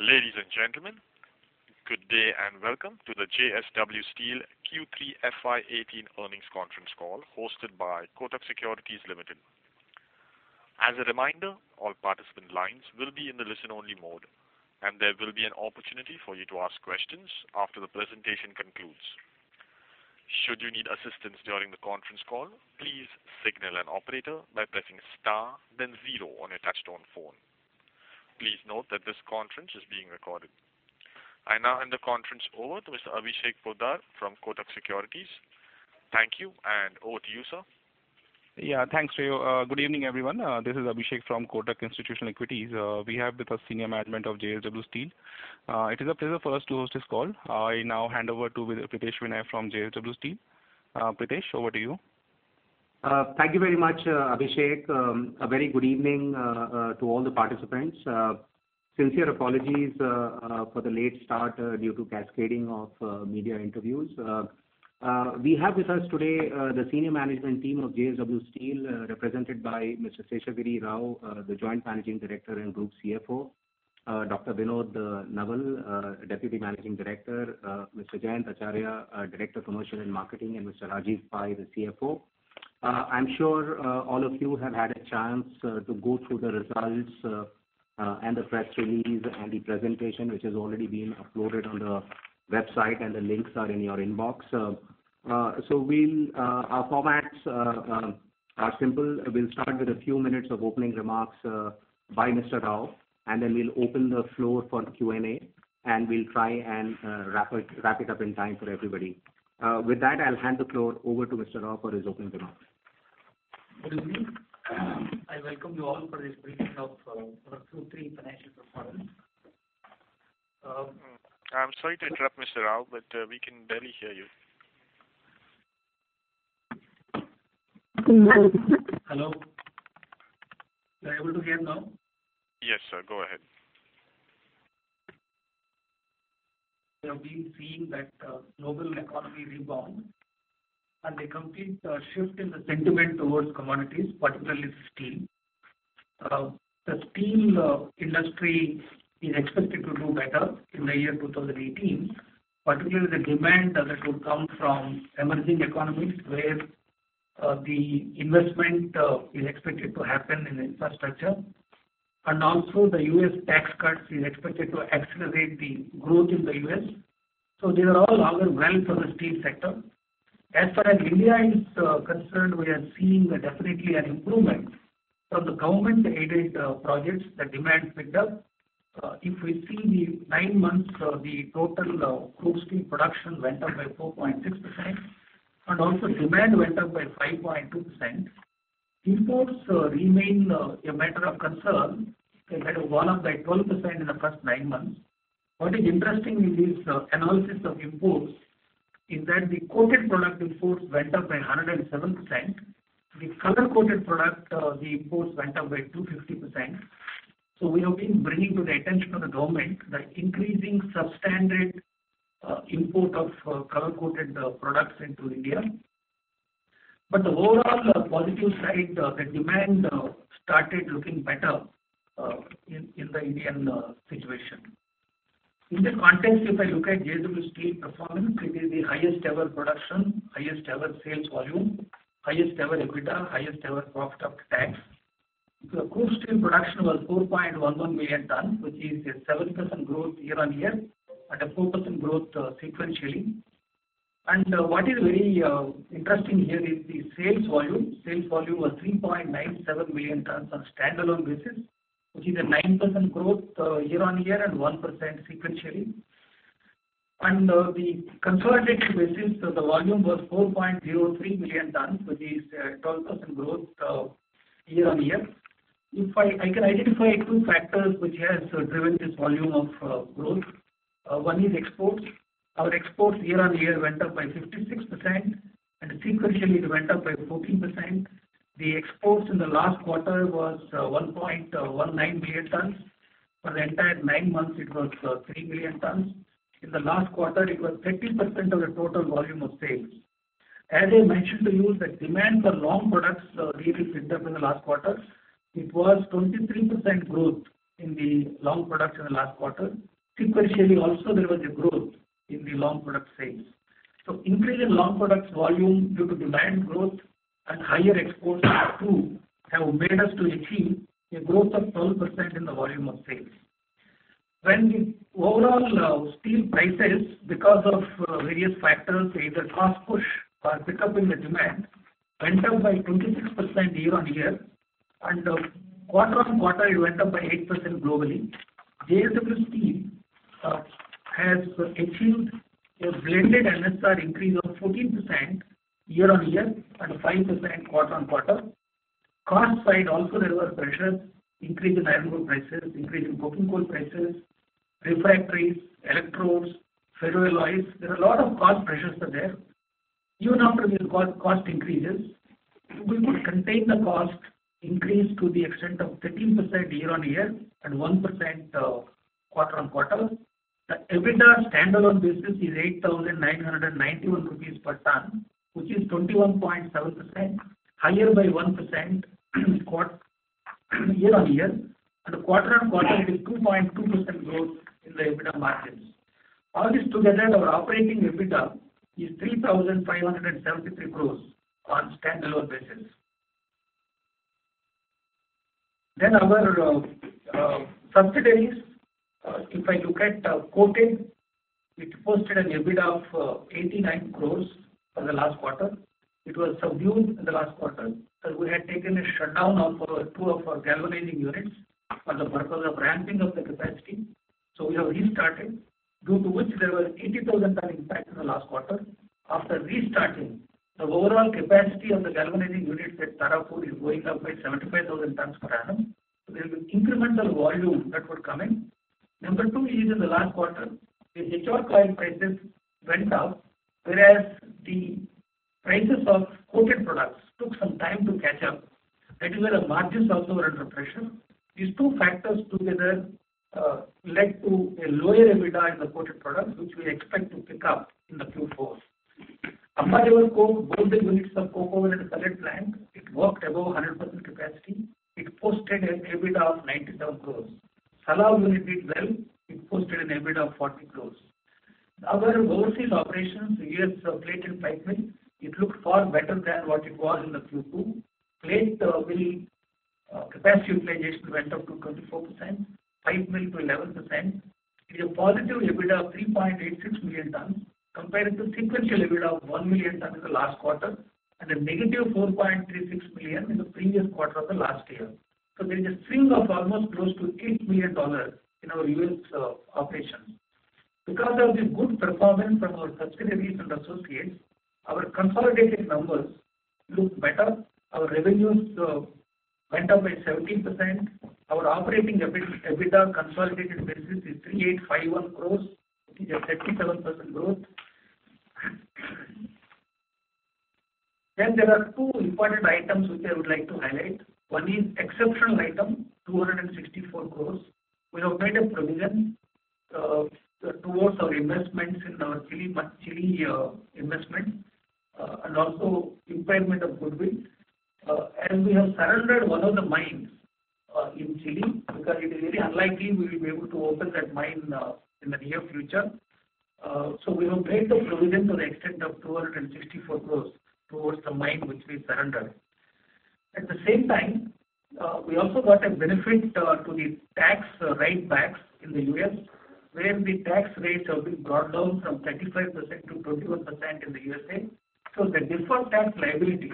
Ladies and gentlemen, good day and welcome to the JSW Steel Q3 FY 2018 earnings conference call hosted by Kotak Securities Limited. As a reminder, all participant lines will be in the listen-only mode, and there will be an opportunity for you to ask questions after the presentation concludes. Should you need assistance during the conference call, please signal an operator by pressing star, then zero on your touchstone phone. Please note that this conference is being recorded. I now end the conference over to Mr. Abhishek Poddar from Kotak Securities. Thank you, and over to you, sir. Yeah, thanks, Rayo. Good evening, everyone. This is Abhishek from Kotak Institutional Equities. We have with us Senior Management of JSW Steel. It is a pleasure for us to host this call. I now hand over to Pritesh Vinay from JSW Steel. Pritesh, over to you. Thank you very much, Abhishek. A very good evening to all the participants. Sincere apologies for the late start due to cascading of media interviews. We have with us today the Senior Management Team of JSW Steel, represented by Mr. Seshagiri Rao, the Joint Managing Director and Group CFO, Dr. Vinod Nowal, Deputy Managing Director, Mr. Jayant Acharya, Director of Commercial and Marketing, and Mr. Rajeev Pai, the CFO. I'm sure all of you have had a chance to go through the results and the press release and the presentation, which has already been uploaded on the website, and the links are in your inbox. Our formats are simple. We'll start with a few minutes of opening remarks by Mr. Rao, and then we'll open the floor for Q&A, and we'll try and wrap it up in time for everybody. With that, I'll hand the floor over to Mr. Rao for his opening remarks. Good evening. I welcome you all for this briefing of Q3 Financial Performance. I'm sorry to interrupt, Mr. Rao, but we can barely hear you. Hello? Are you able to hear now? Yes, sir. Go ahead. We have been seeing that global economy rebound and the complete shift in the sentiment towards commodities, particularly steel. The steel industry is expected to do better in the year 2018, particularly the demand that will come from emerging economies where the investment is expected to happen in infrastructure. Also, the U.S. tax cuts are expected to accelerate the growth in the U.S. These are all other wells for the steel sector. As far as India is concerned, we are seeing definitely an improvement from the government-aided projects. The demand picked up. If we see the nine months, the total group steel production went up by 4.6%, and also demand went up by 5.2%. Imports remain a matter of concern. They had gone up by 12% in the first nine months. What is interesting in this analysis of imports is that the coated product imports went up by 107%. The color-coated product, the imports went up by 250%. We have been bringing to the attention of the government the increasing substandard import of color-coated products into India. The overall positive side, the demand started looking better in the Indian situation. In this context, if I look at JSW Steel performance, it is the highest-ever production, highest-ever sales volume, highest-ever EBITDA, highest-ever profit after tax. Group steel production was 4.11 million tons, which is a 7% growth year-on-year and a 4% growth sequentially. What is very interesting here is the sales volume. Sales volume was 3.97 million tons on a standalone basis, which is a 9% growth year-on-year and 1% sequentially. On the consolidated basis, the volume was 4.03 million tons, which is a 12% growth year-on-year. I can identify two factors which have driven this volume of growth. One is exports. Our exports year-on-year went up by 56%, and sequentially it went up by 14%. The exports in the last quarter was 1.19 million tons. For the entire nine months, it was 3 million tons. In the last quarter, it was 30% of the total volume of sales. As I mentioned to you, the demand for long products really picked up in the last quarter. It was 23% growth in the long products in the last quarter. Sequentially also, there was a growth in the long product sales. Increase in long products volume due to demand growth and higher exports have made us to achieve a growth of 12% in the volume of sales. When the overall steel prices, because of various factors, either cost push or pickup in the demand, went up by 26% year-on-year, and quarter-on-quarter it went up by 8% globally, JSW Steel has achieved a blended NSR increase of 14% year-on-year and 5% quarter-on-quarter. Cost side also, there were pressures: increase in iron ore prices, increase in coking coal prices, refractories, electrodes, ferro alloys. There are a lot of cost pressures there. Even after these cost increases, we could contain the cost increase to the extent of 13% year-on-year and 1% quarter-on-quarter. The EBITDA standalone basis is 8,991 rupees per ton, which is 21.7%, higher by 1% year-on-year. Quarter-on-quarter, it is 2.2% growth in the EBITDA margins. All this together, our operating EBITDA is 3,573 crore on standalone basis. Our subsidiaries, if I look at coated, it posted an EBITDA of 89 crore for the last quarter. It was subdued in the last quarter because we had taken a shutdown of two of our galvanizing units for the purpose of ramping up the capacity. We have restarted, due to which there was an 80,000-ton impact in the last quarter. After restarting, the overall capacity of the galvanizing units at Tarapur is going up by 75,000 tons per annum. There is an incremental volume that would come in. Number two is, in the last quarter, the HR coil prices went up, whereas the prices of coated products took some time to catch up. That is where the margins also were under pressure. These two factors together led to a lower EBITDA in the coated products, which we expect to pick up in the Q4. Amba River Coke, both the units of coke oven and pellet plant, worked above 100% capacity. It posted an EBITDA of 97 crore. Salem unit did well. It posted an EBITDA of 40 crore. Our overseas operations, U.S. Plate and Pipe Mill, it looked far better than what it was in the Q2. Plate capacity utilization went up to 24%, pipe mill to 11%. It is a positive EBITDA of $3.86 million, compared to sequential EBITDA of $1 million in the last quarter and a -$4.36 million in the previous quarter of the last year. There is a swing of almost close to $8 million in our US operations. Because of the good performance from our subsidiaries and associates, our consolidated numbers look better. Our revenues went up by 17%. Our operating EBITDA consolidated basis is 3,851 crore, which is a 37% growth. There are two important items which I would like to highlight. One is exceptional item, 264 crore. We have made a provision towards our investments in our Chile investments and also improvement of goodwill. As we have surrendered one of the mines in Chile, because it is very unlikely we will be able to open that mine in the near future, we have made the provision to the extent of 2.64 billion towards the mine which we surrendered. At the same time, we also got a benefit to the tax write-backs in the U.S., where the tax rates have been brought down from 35% to 21% in the U.S.A. The default tax liabilities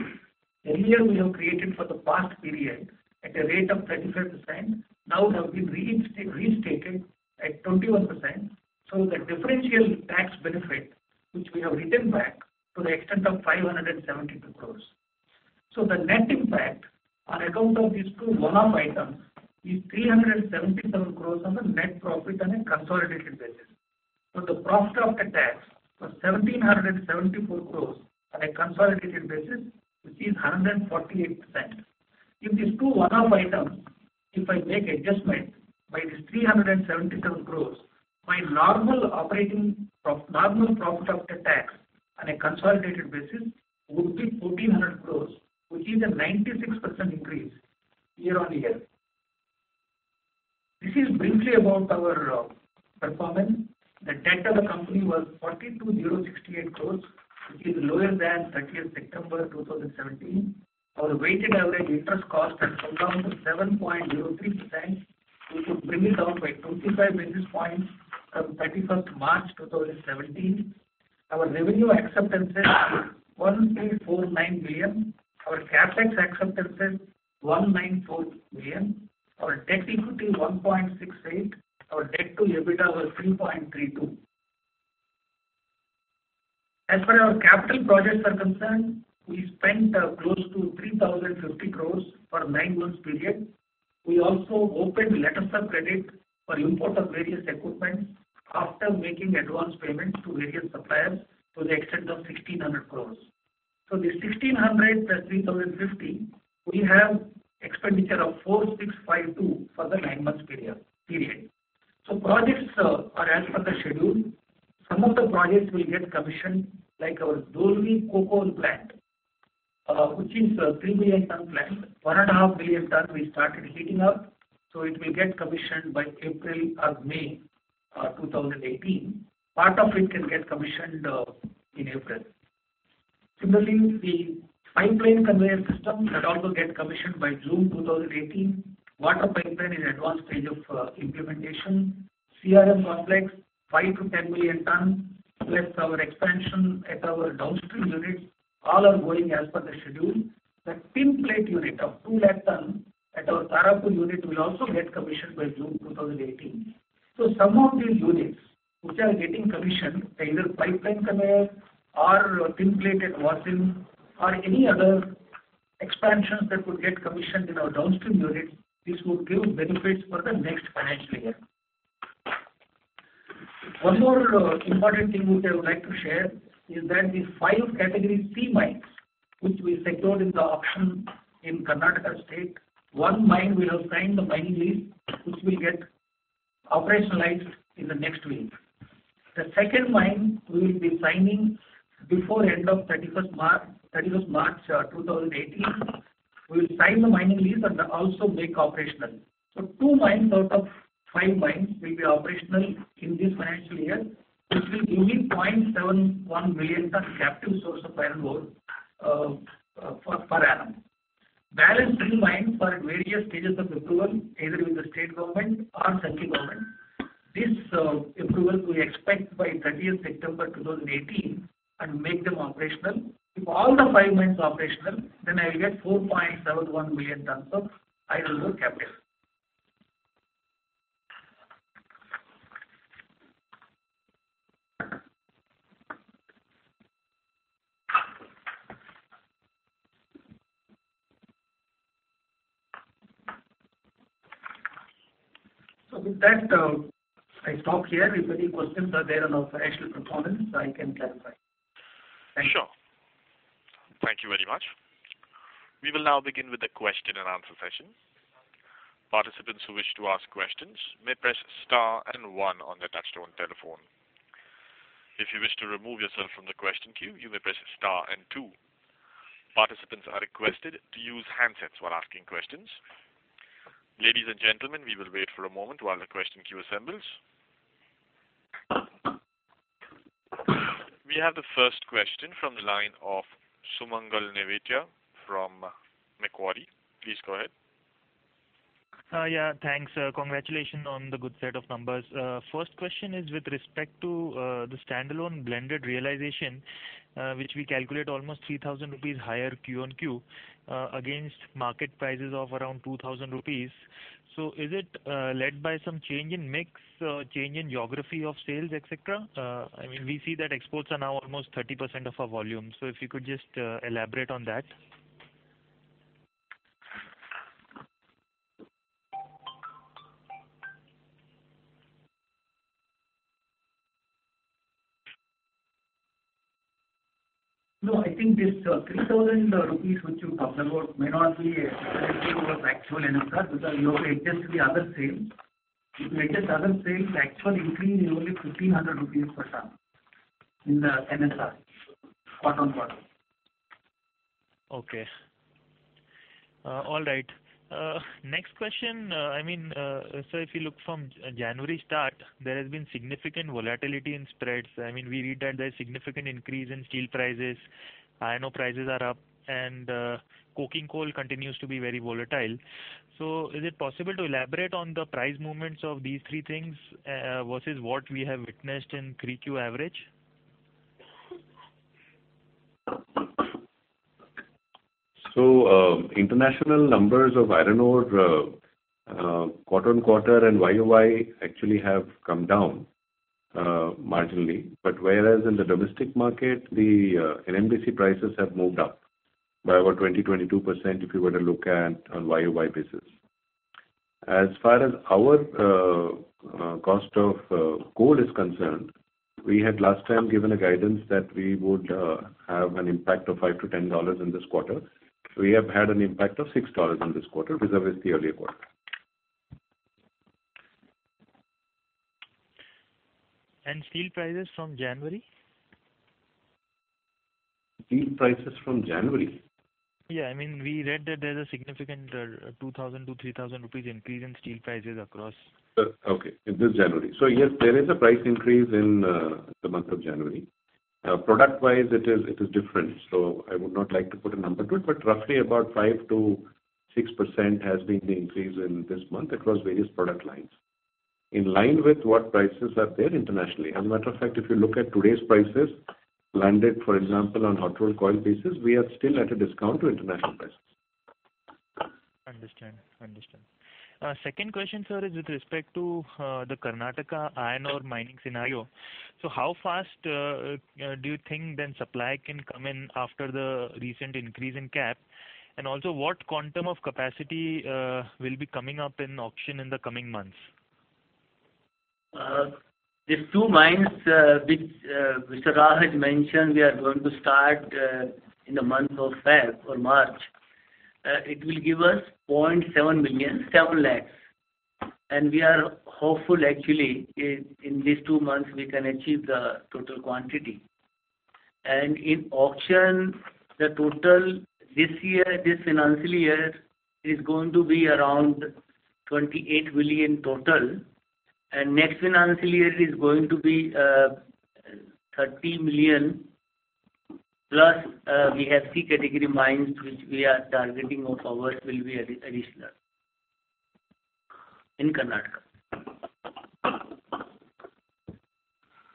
earlier we have created for the past period at a rate of 35% now have been reinstated at 21%. The differential tax benefit, which we have written back to the extent of 5.72 billion. The net impact on account of these two one-off items is 377 crore on the net profit on a consolidated basis. The profit after tax was 1,774 crore on a consolidated basis, which is 148%. If these two one-off items, if I make adjustment by these 377 crore, my normal profit after tax on a consolidated basis would be 1,400 crore, which is a 96% increase year-on-year. This is briefly about our performance. The debt of the company was 4,268 crore, which is lower than 30th September 2017. Our weighted average interest cost has come down to 7.03%, which would bring it down by 25 basis points from 31st March 2017. Our revenue acceptances is 1,249 million. Our CapEx acceptances are 194 million. Our debt equity is 1.68. Our debt to EBITDA was 3.32. As for our capital projects are concerned, we spent close to 3,050 crore for a nine-month period. We also opened letters of credit for import of various equipment after making advance payments to various suppliers to the extent of 1,600 crore. The 1,600 crore plus 3,050 crore, we have expenditure of 4,652 crore for the nine-month period. Projects are as per the schedule. Some of the projects will get commissioned, like our Dolvi Coke Oven Plant, which is a 3 million ton plant. 1.5 million ton we started heating up, so it will get commissioned by April or May 2018. Part of it can get commissioned in April. Similarly, the pipeline conveyor systems that also get commissioned by June 2018. Water pipeline is in advanced stage of implementation. CRM complex, 5 million -10 million tons plus our expansion at our downstream units, all are going as per the schedule. The tin plate unit of 2 lakh tons at our Tarapur unit will also get commissioned by June 2018. Some of these units which are getting commissioned, either pipeline conveyor or tin plate and washing or any other expansions that would get commissioned in our downstream units, this would give benefits for the next financial year. One more important thing which I would like to share is that the five category C mines which we secured in the auction in Karnataka State, one mine we have signed the mining lease, which will get operationalized in the next week. The second mine we will be signing before the end of 31 March 2018. We will sign the mining lease and also make operational. Two mines out of five mines will be operational in this financial year, which will give me 0.71 million tons captive source of iron ore per annum. Balance three mines are in various stages of approval, either with the state government or central government. This approval we expect by 30 September 2018 and make them operational. If all the five mines are operational, then I will get 4.71 million tons of iron ore captive. With that, I stop here. If any questions are there on our financial performance, I can clarify. Thank you. Sure. Thank you very much. We will now begin with the question and answer session. Participants who wish to ask questions may press star and one on their touchstone telephone. If you wish to remove yourself from the question queue, you may press star and two. Participants are requested to use handsets while asking questions. Ladies and gentlemen, we will wait for a moment while the question queue assembles. We have the first question from the line of Sumangal Nevatia from Macquarie. Please go ahead. Yeah, thanks. Congratulations on the good set of numbers. First question is with respect to the standalone blended realization, which we calculate almost 3,000 rupees higher Q on Q against market prices of around 2,000 rupees. Is it led by some change in mix, change in geography of sales, etc.? I mean, we see that exports are now almost 30% of our volume. If you could just elaborate on that. No, I think this 3,000 rupees which you talked about may not be a sequence of actual NSR because you have to adjust the other sales. If you adjust other sales, the actual increase is only 1,500 rupees per ton in the NSR quarter-on-quarter. Okay. All right. Next question, I mean, if you look from January start, there has been significant volatility in spreads. I mean, we read that there is significant increase in steel prices. I know prices are up, and coking coal continues to be very volatile. Is it possible to elaborate on the price movements of these three things versus what we have witnessed in 3Q average? International numbers of iron ore quarter-on-quarter and year-on-year actually have come down marginally. Whereas in the domestic market, the NMDC prices have moved up by about 20%-22% if you were to look at on year-on-year basis. As far as our cost of coal is concerned, we had last time given a guidance that we would have an impact of $5-$10 in this quarter. We have had an impact of $6 in this quarter as of the earlier quarter. Steel prices from January? Steel prices from January? Yeah. I mean, we read that there's a significant 2,000-3,000 rupees increase in steel prices across. Okay. This January. Yes, there is a price increase in the month of January. Product-wise, it is different. I would not like to put a number to it, but roughly about 5%-6% has been the increase in this month across various product lines, in line with what prices are there internationally. As a matter of fact, if you look at today's prices, landed, for example, on hot rolled coil bases, we are still at a discount to international prices. Understood. Understood. Second question, sir, is with respect to the Karnataka iron ore mining scenario. How fast do you think then supply can come in after the recent increase in cap? What quantum of capacity will be coming up in auction in the coming months? These two mines which Mr. Raj had mentioned, we are going to start in the month of February or March. It will give us 0.7 million, 7 lakhs. We are hopeful, actually, in these two months, we can achieve the total quantity. In auction, the total this year, this financial year, is going to be around 28 million total. Next financial year is going to be 30 million. Plus, we have C category mines which we are targeting of ours will be additional in Karnataka.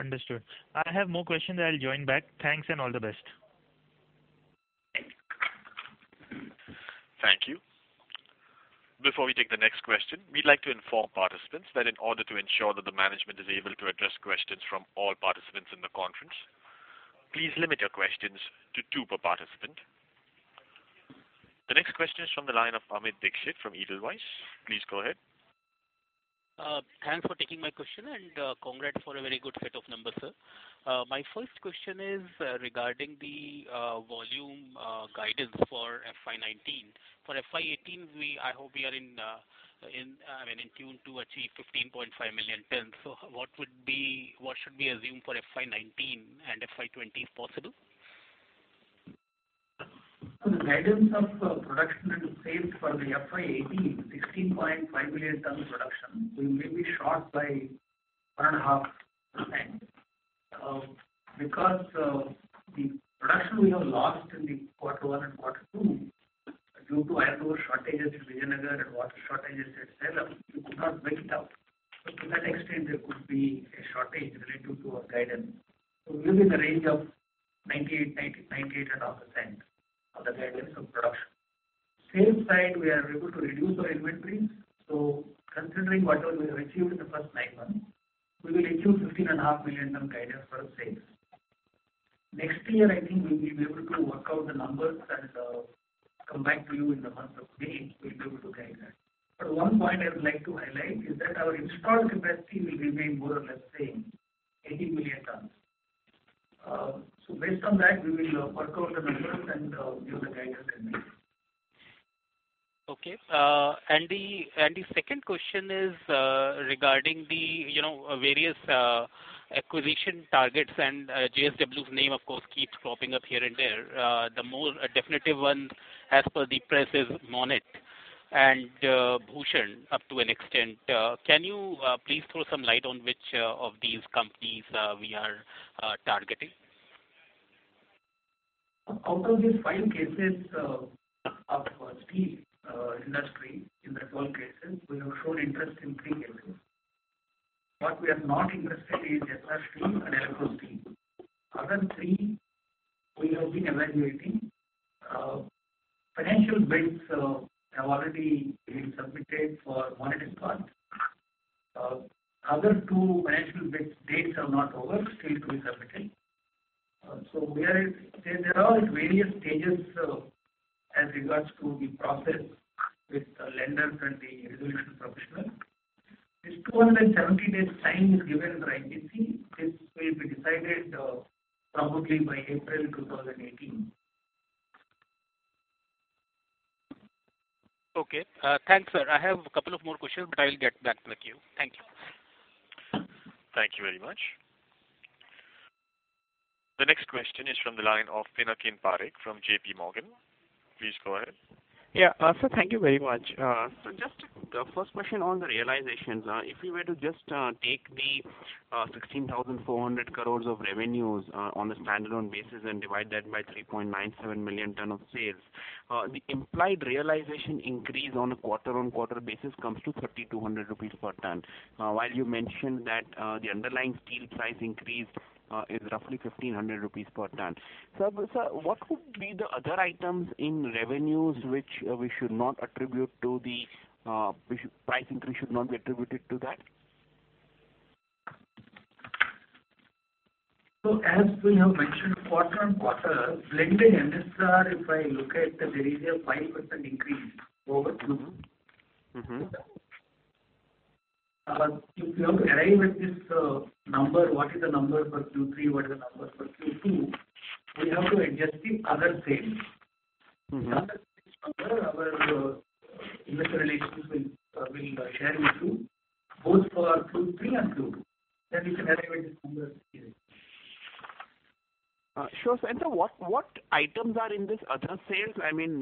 Understood. I have more questions. I'll join back. Thanks and all the best. Thank you. Before we take the next question, we'd like to inform participants that in order to ensure that the management is able to address questions from all participants in the conference, please limit your questions to two per participant. The next question is from the line of Amit Dixit from Edelweiss. Please go ahead. Thanks for taking my question and congrats for a very good set of numbers, sir. My first question is regarding the volume guidance for FY 2019. For FY 2018, I hope we are in, I mean, in tune to achieve 15.5 million tons. What should we assume for FY 2019 and FY 2020, if possible? The guidance of production and sales for the FY2018, 16.5 million tons production, we may be short by 1.5% because the production we have lost in quarter one and quarter two due to iron ore shortages in Vijayanagar and water shortages at Salem, we could not make it up. To that extent, there could be a shortage related to our guidance. We are in the range of 98%-98.5% of the guidance of production. On the sales side, we are able to reduce our inventories. Considering whatever we have achieved in the first nine months, we will achieve 15.5 million ton guidance for sales. Next year, I think we will be able to work out the numbers and come back to you in the month of May. We'll be able to carry that. One point I would like to highlight is that our installed capacity will remain more or less the same, 18 million tons. Based on that, we will work out the numbers and give the guidance and measure. Okay. The second question is regarding the various acquisition targets. JSW's name, of course, keeps cropping up here and there. The more definitive one as per the press is Monnet and Bhushan up to an extent. Can you please throw some light on which of these companies we are targeting? Out of these five cases of steel industry in the coal cases, we have shown interest in three cases. What we are not interested in is SR Steel and Essar Steel. Other three, we have been evaluating. Financial bids have already been submitted for Monnet Ispat. Other two financial bids' dates are not over. Still to be submitted. They are all at various stages as regards to the process with the lenders and the resolution professional. This 270-day time is given under IBC. This will be decided probably by April 2018. Okay. Thanks, sir. I have a couple of more questions, but I'll get back to the queue. Thank you. Thank you very much. The next question is from the line of Pinakin Parekh from JP Morgan. Please go ahead. Yeah. Sir, thank you very much. Just the first question on the realizations. If we were to just take the 16,400 crore of revenues on a standalone basis and divide that by 3.97 million ton of sales, the implied realization increase on a quarter-on-quarter basis comes to 3,200 rupees per ton. While you mentioned that the underlying steel price increase is roughly 1,500 rupees per ton. Sir, what would be the other items in revenues which we should not attribute to the price increase should not be attributed to that? As we have mentioned, quarter-on-quarter, blended NSR, if I look at the derivative, 5% increase over Q2. If we have to arrive at this number, what is the number for Q3? What is the number for Q2? We have to adjust the other sales. The other sales number, our investor relations will share with you, both for Q3 and Q2. We can arrive at this number here. Sure. Sir, what items are in this other sales? I mean,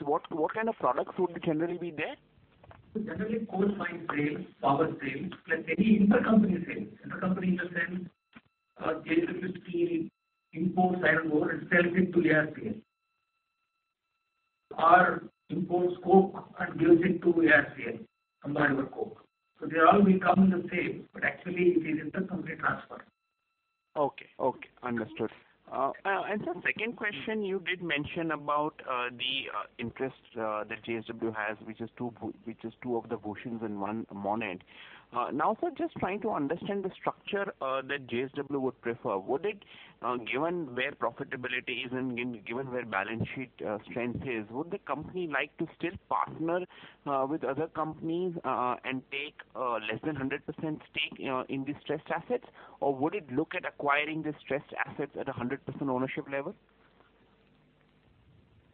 what kind of products would generally be there? Generally, coal mine sales, power sales, plus any intercompany sales. Intercompany intersells, JSW Steel imports iron ore and sells it to ASBL or imports coke and gives it to Amba River Coke. They all will come in the sales, but actually, it is intercompany transfer. Okay. Okay. Understood. Sir, second question, you did mention about the interest that JSW has, which is two of the Bhushan's and one Monnet. Now, sir, just trying to understand the structure that JSW would prefer. Given where profitability is and given where balance sheet strength is, would the company like to still partner with other companies and take less than 100% stake in these stressed assets? Or would it look at acquiring the stressed assets at a 100% ownership level?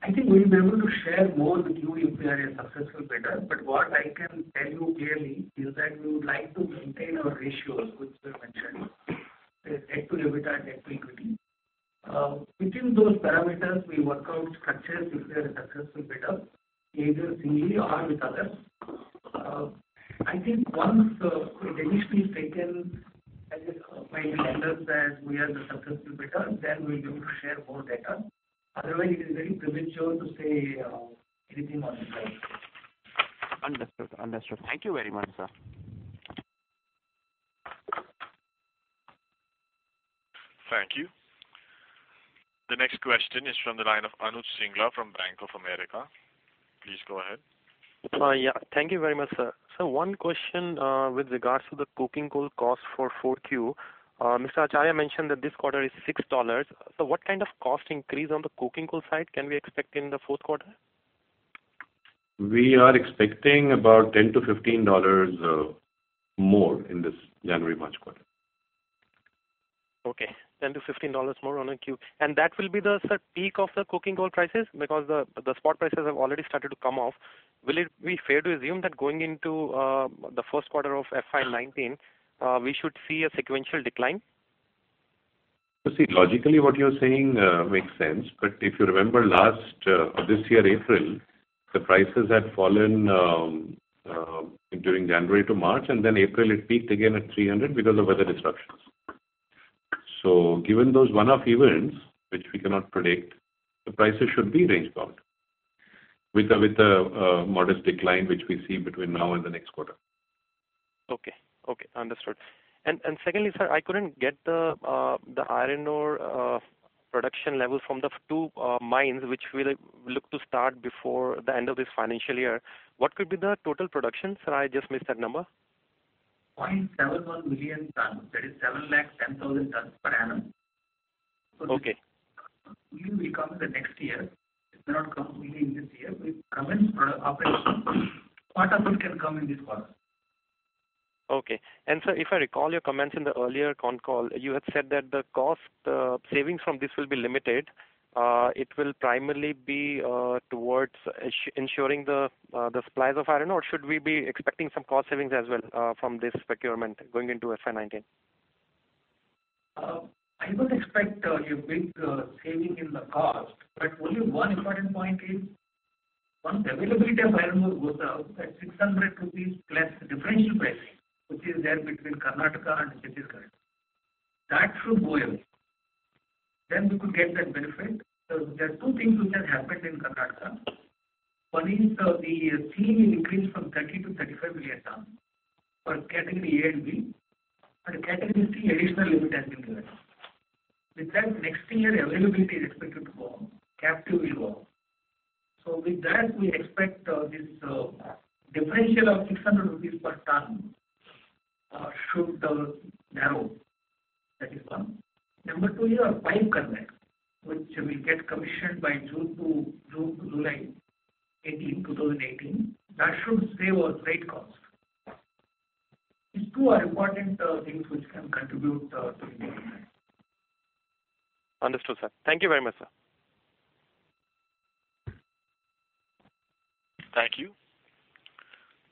I think we will be able to share more with you if we are a successful bidder. What I can tell you clearly is that we would like to maintain our ratios which you have mentioned, debt to EBITDA and debt to equity. Within those parameters, we work out structures if we are a successful bidder either singly or with others. I think once a decision is taken by the lenders that we are the successful bidder, then we'll be able to share more data. Otherwise, it is very premature to say anything on the side. Understood. Understood. Thank you very much, sir. Thank you. The next question is from the line of Anuj Singla from Bank of America. Please go ahead. Yeah. Thank you very much, sir. Sir, one question with regards to the coking coal cost for Q4. Mr. Acharya mentioned that this quarter is $6. So what kind of cost increase on the coking coal side can we expect in the fourth quarter? We are expecting about $10-$15 more in this January-March quarter. Okay. $10-$15 more on a Q. That will be the peak of the coking coal prices because the spot prices have already started to come off. Will it be fair to assume that going into the first quarter of FY2019, we should see a sequential decline? You see, logically, what you're saying makes sense. If you remember, this year, April, the prices had fallen during January to March, and then April, it peaked again at $300 because of weather disruptions. Given those one-off events, which we cannot predict, the prices should be range-bound with the modest decline which we see between now and the next quarter. Okay. Understood. Secondly, sir, I couldn't get the iron ore production level from the two mines which we look to start before the end of this financial year. What could be the total production? Sir, I just missed that number. 0.71 million tons. That is 710,000 tons per annum. The billion will come in the next year. It may not come only in this year. With comments from our operations, part of it can come in this quarter. Okay. Sir, if I recall your comments in the earlier con call, you had said that the cost savings from this will be limited. It will primarily be towards ensuring the supplies of iron ore? Should we be expecting some cost savings as well from this procurement going into FY 2019? I do not expect a big saving in the cost. Only one important point is once availability of iron ore goes out at 600 rupees plus differential pricing, which is there between Karnataka and Chhattisgarh, that should go away. We could get that benefit. There are two things which have happened in Karnataka. One is the steel will increase from 30million to 35 million tons for category A and B, and category C, additional limit has been given. With that, next year, availability is expected to go up. Captive will go up. With that, we expect this differential of 600 rupees per ton should narrow. That is one. Number two is our pipe conveyor, which will get commissioned by June to July 18, 2018. That should save our freight cost. These two are important things which can contribute to improvement. Understood, sir. Thank you very much, sir. Thank you.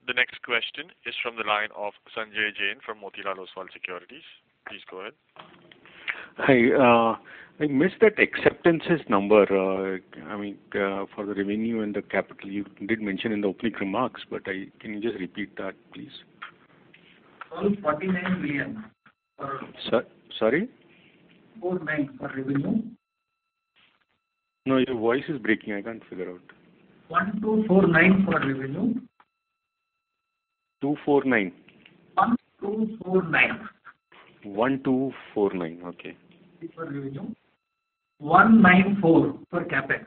The next question is from the line of Sanjay Jain from Motilal Oswal Securities. Please go ahead. Hi. I missed that acceptances number. I mean, for the revenue and the capital, you did mention in the opening remarks, but can you just repeat that, please? 129 million for. Sorry? 249 for revenue. No, your voice is breaking. I can't figure out. 1,249 for revenue. 249. 249. 1,249. Okay. For revenue. 194 for CapEx.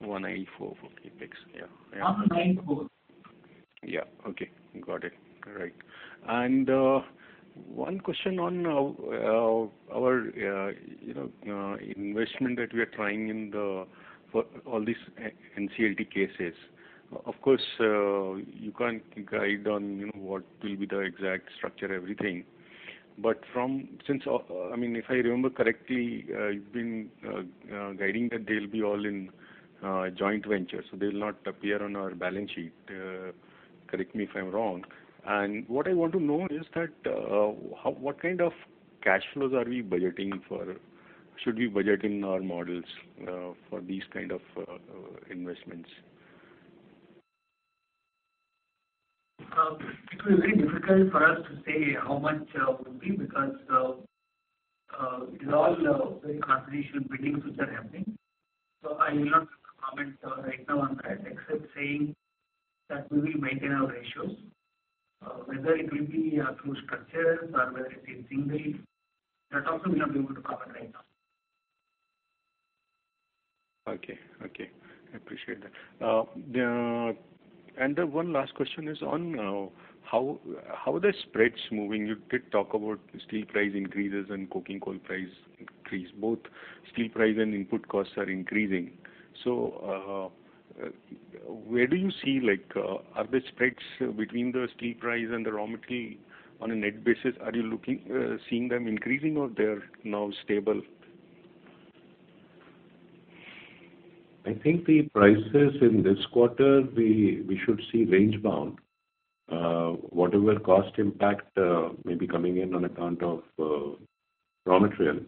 194 for CapEx. Yeah. 194. Yeah. Okay. Got it. All right. One question on our investment that we are trying in all these NCLT cases. Of course, you can't guide on what will be the exact structure, everything. Since, I mean, if I remember correctly, you've been guiding that they'll be all in joint ventures, so they'll not appear on our balance sheet. Correct me if I'm wrong. What I want to know is that what kind of cash flows are we budgeting for? Should we budget in our models for these kind of investments? It will be very difficult for us to say how much will be because it's all very conservational bidding which are happening. I will not be able to comment right now on that except saying that we will maintain our ratios. Whether it will be through structures or whether it is single, that also we are not able to comment right now. Okay. Okay. I appreciate that. One last question is on how are the spreads moving? You did talk about steel price increases and coking coal price increase. Both steel price and input costs are increasing. Where do you see the spreads between the steel price and the raw material on a net basis? Are you seeing them increasing or are they now stable? I think the prices in this quarter, we should see range-bound. Whatever cost impact may be coming in on account of raw material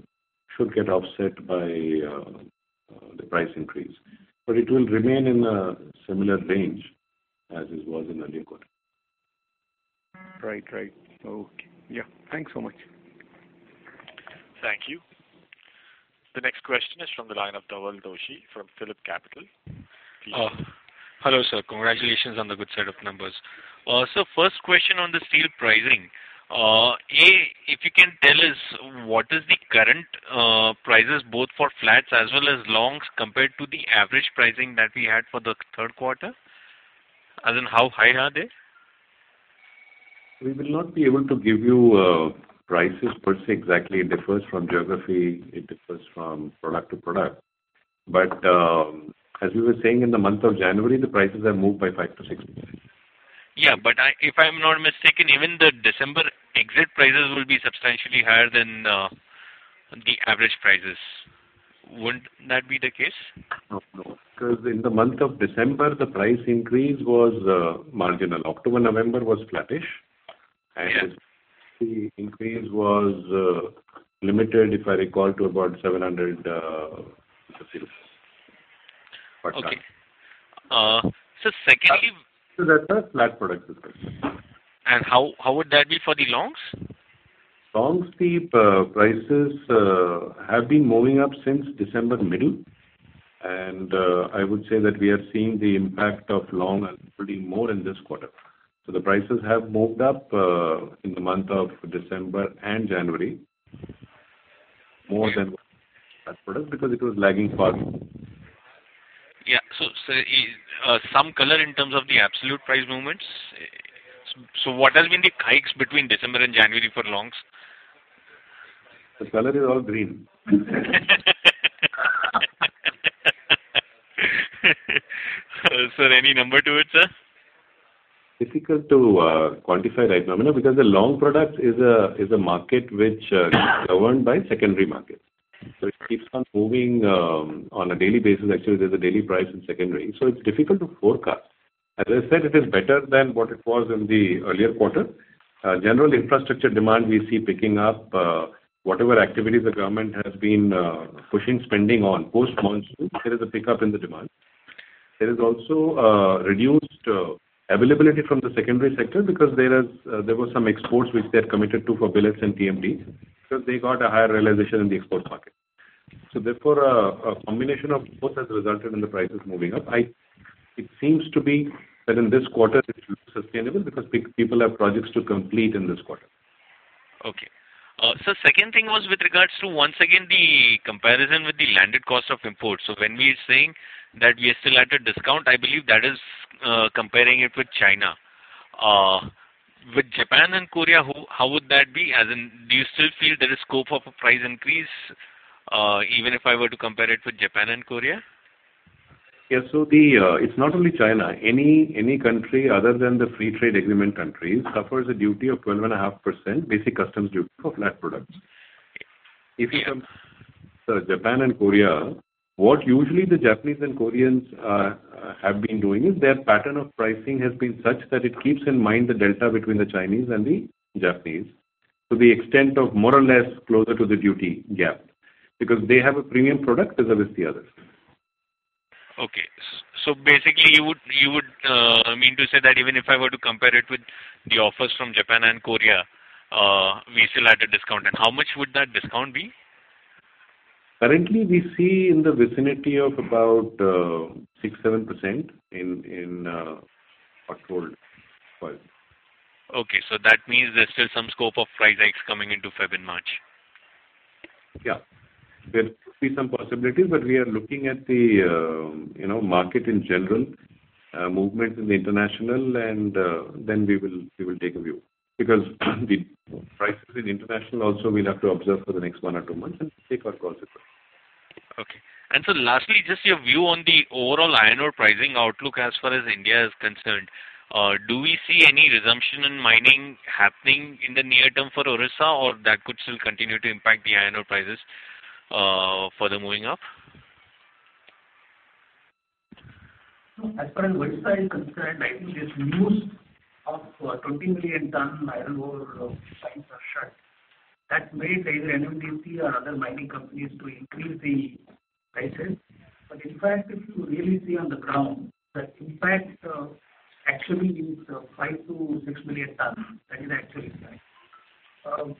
should get offset by the price increase. It will remain in a similar range as it was in the earlier quarter. Right. Right. Okay. Yeah. Thanks so much. Thank you. The next question is from the line of Dhaval Doshi from PhillipCapital. Please. Hello, sir. Congratulations on the good set of numbers. First question on the steel pricing. A, if you can tell us what is the current prices both for flats as well as longs compared to the average pricing that we had for the third quarter? As in how high are they? We will not be able to give you prices per se exactly. It differs from geography. It differs from product to product. As we were saying in the month of January, the prices have moved by 5%-6%. Yeah. If I'm not mistaken, even the December exit prices will be substantially higher than the average prices. Wouldn't that be the case? No. No. Because in the month of December, the price increase was marginal. October, November was flattish. The increase was limited, if I recall, to about 700 per ton. Okay. Secondly, that is our flat product disclosure. How would that be for the longs? Longs, the prices have been moving up since December middle. I would say that we are seeing the impact of long and holding more in this quarter. The prices have moved up in the month of December and January more than flat product because it was lagging far. Some color in terms of the absolute price movements. What has been the hikes between December and January for longs? The color is all green. Sir, any number to it, sir? Difficult to quantify right now because the long product is a market which is governed by secondary markets. It keeps on moving on a daily basis. Actually, there's a daily price in secondary. It's difficult to forecast. As I said, it is better than what it was in the earlier quarter. General infrastructure demand we see picking up. Whatever activities the government has been pushing spending on post-Monsun, there is a pickup in the demand. There is also reduced availability from the secondary sector because there were some exports which they had committed to for billets and TMTs because they got a higher realization in the export market. Therefore, a combination of both has resulted in the prices moving up. It seems to be that in this quarter, it's sustainable because people have projects to complete in this quarter. Okay. The second thing was with regards to, once again, the comparison with the landed cost of imports. When we're saying that we are still at a discount, I believe that is comparing it with China. With Japan and Korea, how would that be? As in, do you still feel there is scope of a price increase even if I were to compare it with Japan and Korea? Yeah. It's not only China. Any country other than the free trade agreement countries suffers a duty of 12.5% basic customs duty for flat products. If you compare Japan and Korea, what usually the Japanese and Koreans have been doing is their pattern of pricing has been such that it keeps in mind the delta between the Chinese and the Japanese to the extent of more or less closer to the duty gap because they have a premium product as opposed to the others. Okay. Basically, you would mean to say that even if I were to compare it with the offers from Japan and Korea, we're still at a discount. How much would that discount be? Currently, we see in the vicinity of about 6%-7% in October or July. Okay. That means there's still some scope of price hikes coming into February and March. Yeah. There could be so me possibilities, but we are looking at the market in general, movements in the international, and then we will take a view because the prices in international also we'll have to observe for the next one or two months and take our calls accordingly. Okay. Lastly, just your view on the overall iron ore pricing outlook as far as India is concerned. Do we see any resumption in mining happening in the near term for Odisha, or that could still continue to impact the iron ore prices further moving up? As far as Odisha is concerned, I think this news of 20 million ton iron ore mines are shut. That may trigger NMDC or other mining companies to increase the prices. In fact, if you really see on the ground, the impact actually is 5 million-6 million tons. That is the actual impact.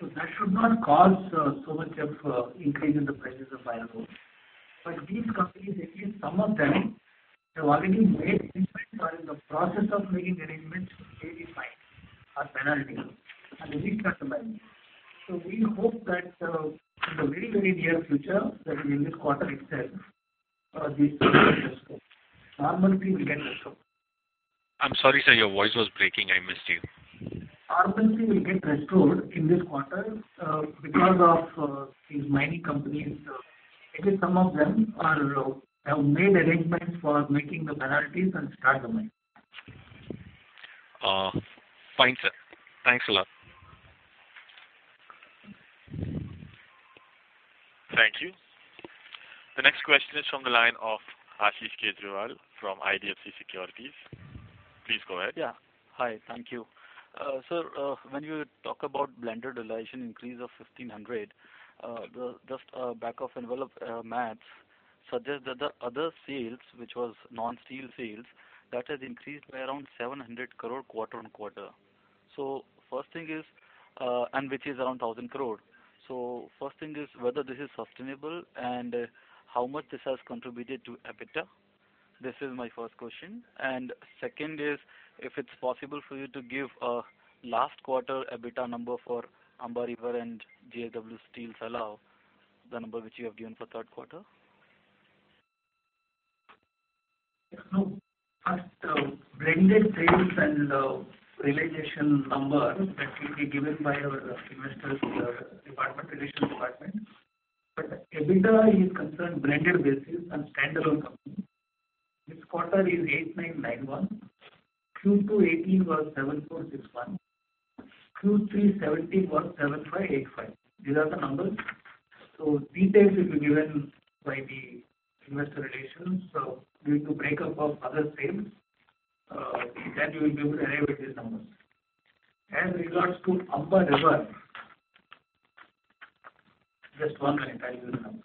That should not cause so much of an increase in the prices of iron ore. These companies, at least some of them, have already made arrangements or are in the process of making arrangements to pay the fine or penalty and restart the mining. We hope that in the very, very near future, that in this quarter itself, this will get restored. Normally, we'll get restored. I'm sorry, sir. Your voice was breaking. I missed you. Normally, we'll get restored in this quarter because of these mining companies. At least some of them have made arrangements for making the penalties and start the mining. Fine, sir. Thanks a lot. Thank you. The next question is from the line of Ashish Kejriwal from IDFC Securities. Please go ahead. Yeah. Hi. Thank you. Sir, when you talk about blended realization increase of 1,500, just a back-of-envelope math suggests that the other sales, which was non-steel sales, that has increased by around 700 crore quarter on quarter. First thing is, and which is around 1,000 crore. First thing is whether this is sustainable and how much this has contributed to EBITDA. This is my first question. Second is if it's possible for you to give a last quarter EBITDA number for Amba River and JSW Steel Salem, the number which you have given for third quarter. Blended sales and realization number, that will be given by our investors, the admission department. But EBITDA is concerned, blended basis and standalone company. This quarter is 8,991. Q2 2018 was 7,461. Q3 2017 was 7,585. These are the numbers. Details will be given by the investor relations. Due to breakup of other sales, then we will be able to elevate these numbers. As regards to Amba River, just one minute. I'll give you the number.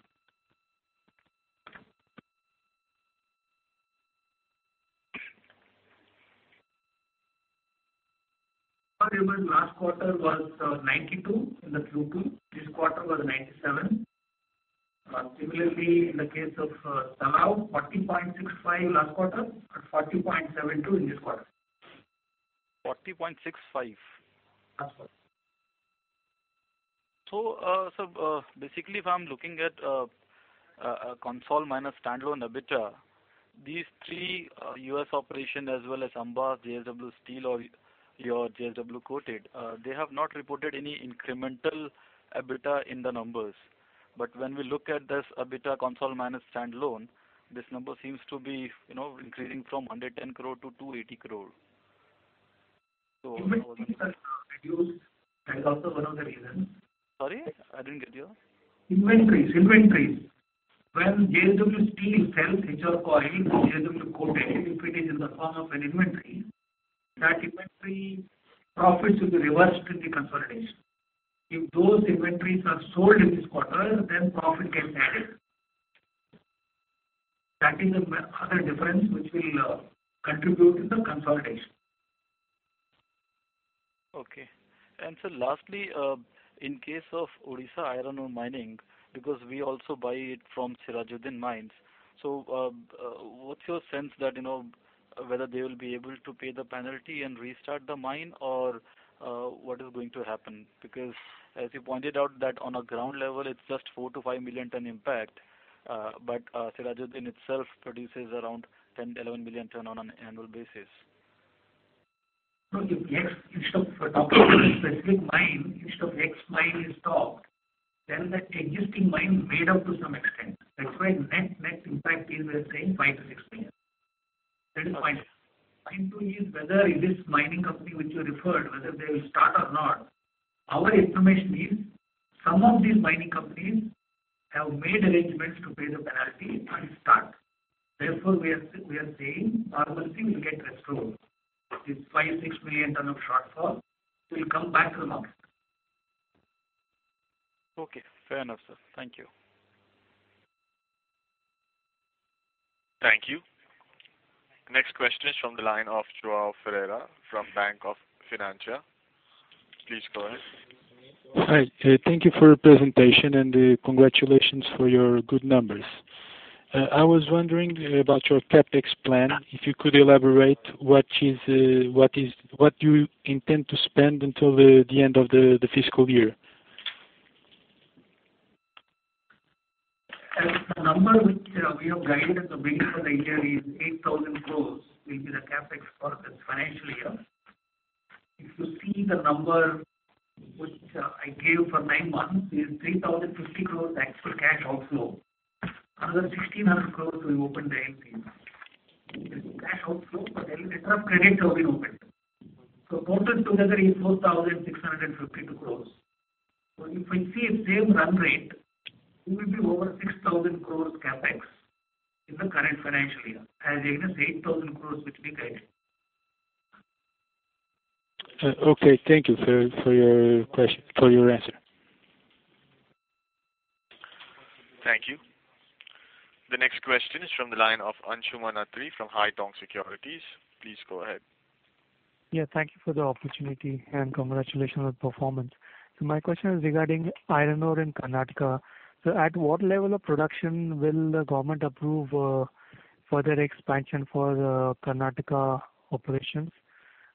Amba River's last quarter was 92 in the Q2. This quarter was 97. Similarly, in the case of Salem, 40.65 last quarter and 40.72 in this quarter. 40.65 last quarter. Sir, basically, if I'm looking at consol minus standalone EBITDA, these three US operations as well as Amba River Coke, JSW Steel, or your JSW Coated, they have not reported any incremental EBITDA in the numbers. When we look at this EBITDA consol minus standalone, this number seems to be increasing from 110 crore to 280 crore. You mean reduced? That is also one of the reasons. Sorry? I didn't get you. Inventories. Inventories. When JSW Steel sells HR Coil, JSW Coated, if it is in the form of an inventory, that inventory profit should be reversed in the consolidation. If those inventories are sold in this quarter, then profit gets added. That is the other difference which will contribute in the consolidation. Okay. Sir, lastly, in case of Odisha iron ore mining, because we also buy it from Sirajuddin Mines, what's your sense that whether they will be able to pay the penalty and restart the mine or what is going to happen? Because as you pointed out, that on a ground level, it's just 4 million-5 million ton impact, but Sirajuddin itself produces around 10-11 million ton on an annual basis. If instead of a specific mine, instead of X mine is stopped, then the existing mine is made up to some extent. That's why net net impact is we are saying 5 million-6 million. That is point. Point two is whether this mining company which you referred, whether they will start or not, our information is some of these mining companies have made arrangements to pay the penalty and start. Therefore, we are saying normally we'll get restored. This 5 million-6 million ton of shortfall will come back to the market. Okay. Fair enough, sir. Thank you. Thank you. Next question is from the line of Joao Ferreira from Banco Finantia. Please go ahead. Hi. Thank you for your presentation and congratulations for your good numbers. I was wondering about your CapEx plan. If you could elaborate what you intend to spend until the end of the fiscal year. The number which we have guided at the beginning of the year is 8,000 crore will be the CapEx for this financial year. If you see the number which I gave for nine months, it is 3,050 crore actual cash outflow. Another 1,600 crore we opened the LCs. It's cash outflow, but a lot of credits have been opened. So total together is 4,652 crore. If we see same run rate, it will be over 6,000 crore CapEx in the current financial year, as against 8,000 crore which we created. Okay. Thank you for your answer. Thank you. The next question is from the line of Anshuman Atri from Haitong Securities. Please go ahead. Yeah. Thank you for the opportunity and congratulations on the performance. My question is regarding iron ore in Karnataka. At what level of production will the government approve further expansion for Karnataka operations,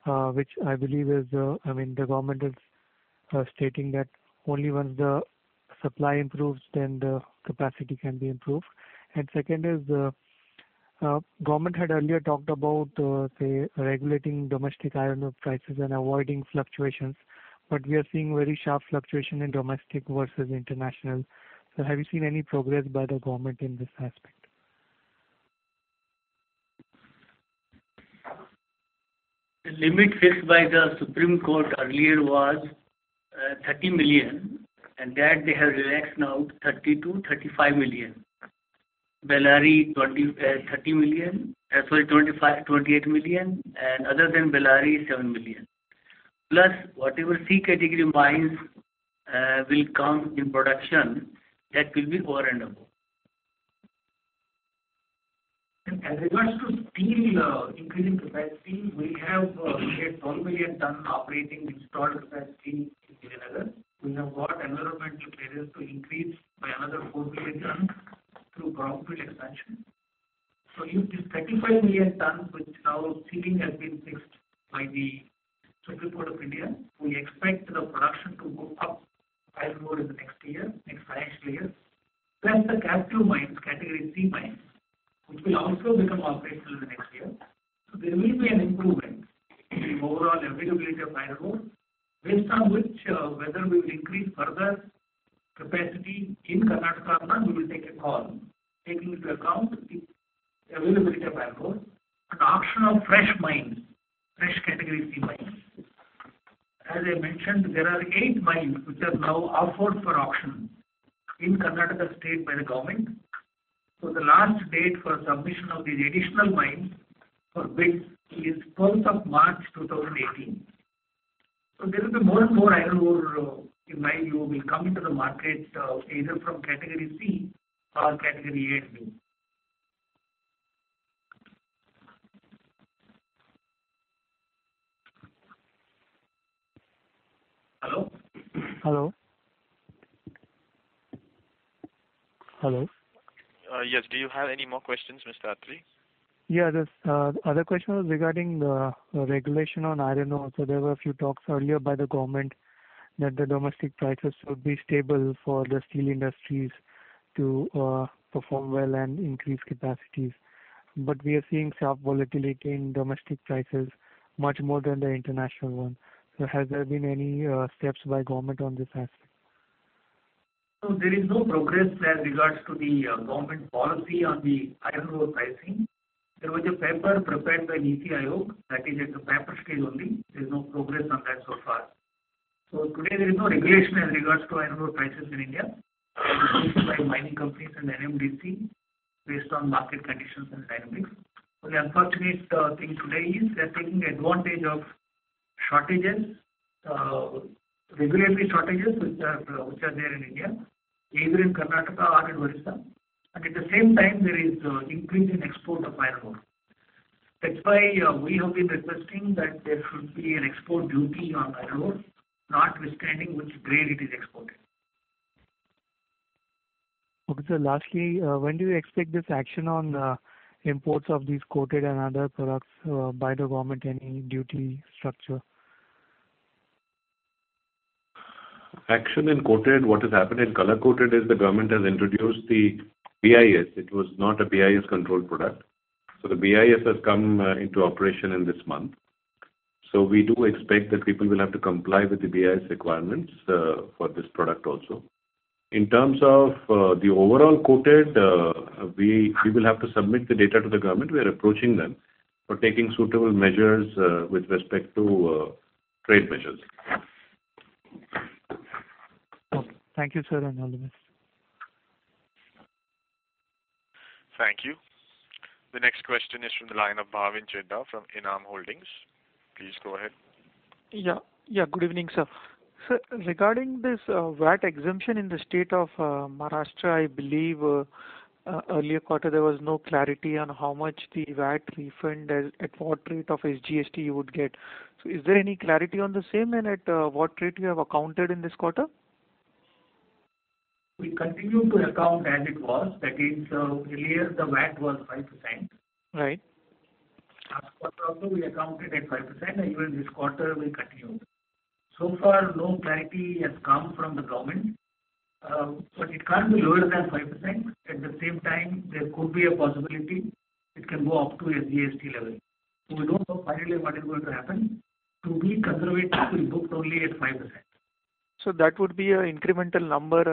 which I believe is, I mean, the government is stating that only once the supply improves, then the capacity can be improved. The second is the government had earlier talked about, say, regulating domestic iron ore prices and avoiding fluctuations, but we are seeing very sharp fluctuation in domestic versus international. Have you seen any progress by the government in this aspect? The limit fixed by the Supreme Court earlier was 30 million, and that they have relaxed now to 30 million-35 million. Bellary, 30 million. Sorry, 28 million. And other than Bellary, 7 million. Plus whatever C category mines will come in production, that will be over and above. As regards to steel increasing capacity, we have made 1 million ton operating installed capacity in Vijayanagar. We have got environmental clearance to increase by another 4 million ton through ground field expansion. If this 35 million tons which now ceiling has been fixed by the Supreme Court of India, we expect the production to go up iron ore in the next year, next financial year. Plus the category C mines, which will also become operational in the next year. There will be an improvement in overall availability of iron ore. Based on which, whether we will increase further capacity in Karnataka or not, we will take a call taking into account the availability of iron ore and auction of fresh mines, fresh category C mines. As I mentioned, there are eight mines which are now offered for auction in Karnataka state by the government. The last date for submission of these additional mines for bids is March 12, 2018. There will be more and more iron ore in my view will come into the market either from category C or category A and B. Hello? Hello. Hello. Yes. Do you have any more questions, Mr. Athri? Yeah. The other question was regarding the regulation on iron ore. There were a few talks earlier by the government that the domestic prices should be stable for the steel industries to perform well and increase capacities. We are seeing sharp volatility in domestic prices much more than the international one. Has there been any steps by government on this aspect? There is no progress as regards to the government policy on the iron ore pricing. There was a paper prepared by NITI Aayog. That is at the paper stage only. There is no progress on that so far. Today, there is no regulation as regards to iron ore prices in India. It is driven by mining companies and NMDC based on market conditions and dynamics. The only unfortunate thing today is they are taking advantage of shortages, regulatory shortages which are there in India, either in Karnataka or in Odisha. At the same time, there is increase in export of iron ore. That's why we have been requesting that there should be an export duty on iron ore, not withstanding which grade it is exported. Okay. Lastly, when do you expect this action on imports of these coated and other products by the government, any duty structure? Action in coated, what has happened in color coated is the government has introduced the BIS. It was not a BIS controlled product. The BIS has come into operation in this month. We do expect that people will have to comply with the BIS requirements for this product also. In terms of the overall coated, we will have to submit the data to the government. We are approaching them for taking suitable measures with respect to trade measures. Thank you, sir, and all the best. Thank you. The next question is from the line of Bhavin Chheda from ENAM Holdings. Please go ahead. Yeah. Yeah. Good evening, sir. Sir, regarding this VAT exemption in the state of Maharashtra, I believe earlier quarter there was no clarity on how much the VAT refund at what rate of SGST you would get. Is there any clarity on the same and at what rate you have accounted in this quarter? We continue to account as it was. That is, earlier the VAT was 5%. Last quarter also we accounted at 5%, and even this quarter we continue. So far, no clarity has come from the government. It cannot be lower than 5%. At the same time, there could be a possibility it can go up to SGST level. We do not know finally what is going to happen. To be conservative, we booked only at 5%. That would be an incremental number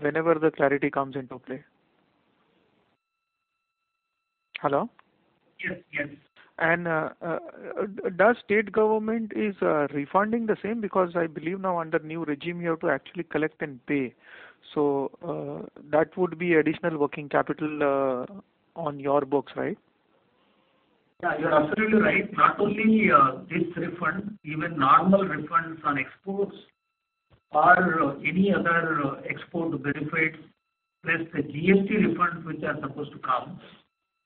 whenever the clarity comes into play. Hello? Yes. Yes. Does state government refund the same because I believe now under new regime you have to actually collect and pay? That would be additional working capital on your books, right? Yeah. You're absolutely right. Not only this refund, even normal refunds on exports or any other export benefits plus the GST refunds which are supposed to come,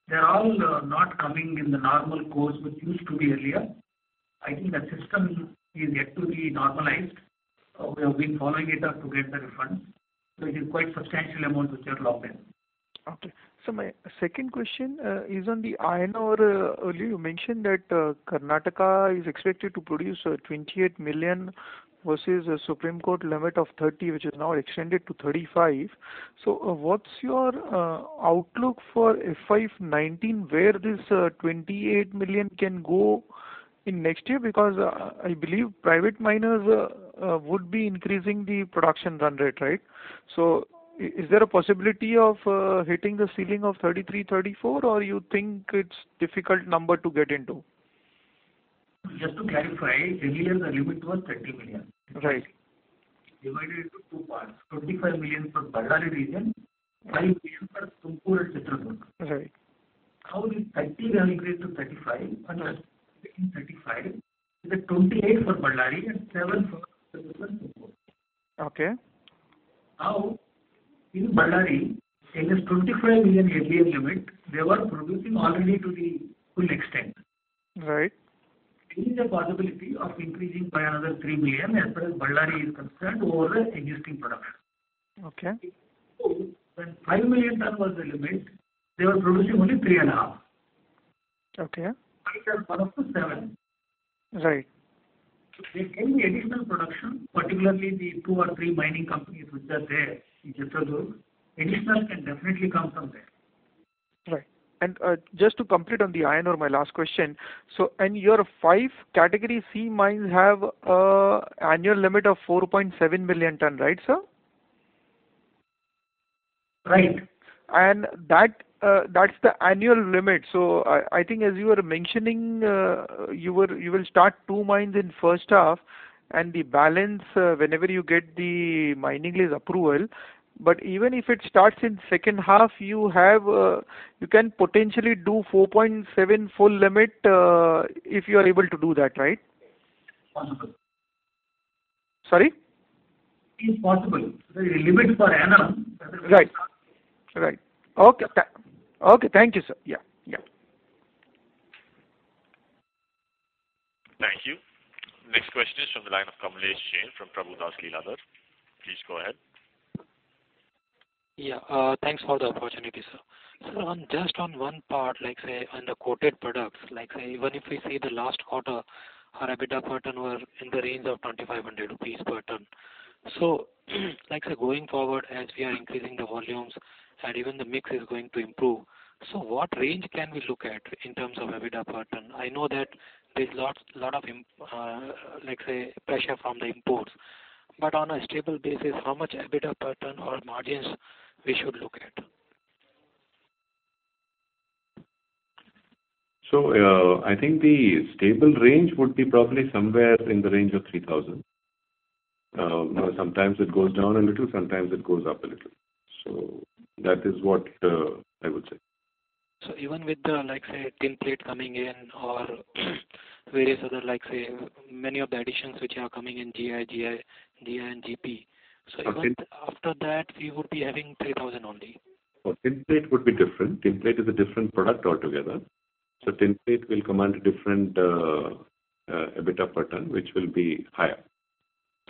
they're all not coming in the normal course which used to be earlier. I think the system is yet to be normalized. We have been following it up to get the refunds, which is quite substantial amount which are locked in. Okay. My second question is on the iron ore. Earlier you mentioned that Karnataka is expected to produce 28 million versus Supreme Court limit of 30, which is now extended to 35. What's your outlook for FY2019 where this 28 million can go next year? Because I believe private miners would be increasing the production run rate, right? Is there a possibility of hitting the ceiling of 33, 34, or do you think it's a difficult number to get into? Just to clarify, earlier the limit was 30 million. Right. Divided into two parts, 25 million for Ballari region, 5 million for Tumkur and Chitradurga. Right. How this 30 will increase to 35, under 35, the 28 for Ballari and 7 for Tumkur. Okay. Now, in Ballari, there is 25 million heavy and limit. They were producing already to the full extent. Right. There is a possibility of increasing by another 3 million as far as Ballari is concerned over the existing production. Okay. When 5 million ton was the limit, they were producing only 3 and a half. Okay. 5 is one of the 7. Right. There can be additional production, particularly the two or three mining companies which are there in Chitradurga. Additional can definitely come from there. Right. Just to complete on the iron ore, my last question. In your five category C mines, you have an annual limit of 4.7 million ton, right, sir? Right. That is the annual limit. I think as you were mentioning, you will start two mines in first half, and the balance whenever you get the mining lease approval. Even if it starts in second half, you can potentially do 4.7 full limit if you are able to do that, right? Possible. Sorry? It's possible. The limit for iron ore. Right. Right. Okay. Okay. Thank you, sir. Yeah. Yeah. Thank you. Next question is from the line of Kamlesh Jain from Prabhudas Lilladher. Please go ahead. Yeah. Thanks for the opportunity, sir. Sir, just on one part, like say under quoted products, like say even if we see the last quarter, our EBITDA per ton were in the range of 2,500 rupees per ton. Like say going forward as we are increasing the volumes and even the mix is going to improve, what range can we look at in terms of EBITDA per ton? I know that there's a lot of, like say, pressure from the imports. On a stable basis, how much EBITDA per ton or margins should we look at? I think the stable range would be probably somewhere in the range of 3,000. Sometimes it goes down a little, sometimes it goes up a little. That is what I would say. Even with the, like say, tin plate coming in or various other, like say, many of the additions which are coming in GI, GI, GI and GP. Even after that, we would be having 3,000 only. For tin plate, it would be different. Tin plate is a different product altogether. Tin plate will command a different EBITDA per ton, which will be higher.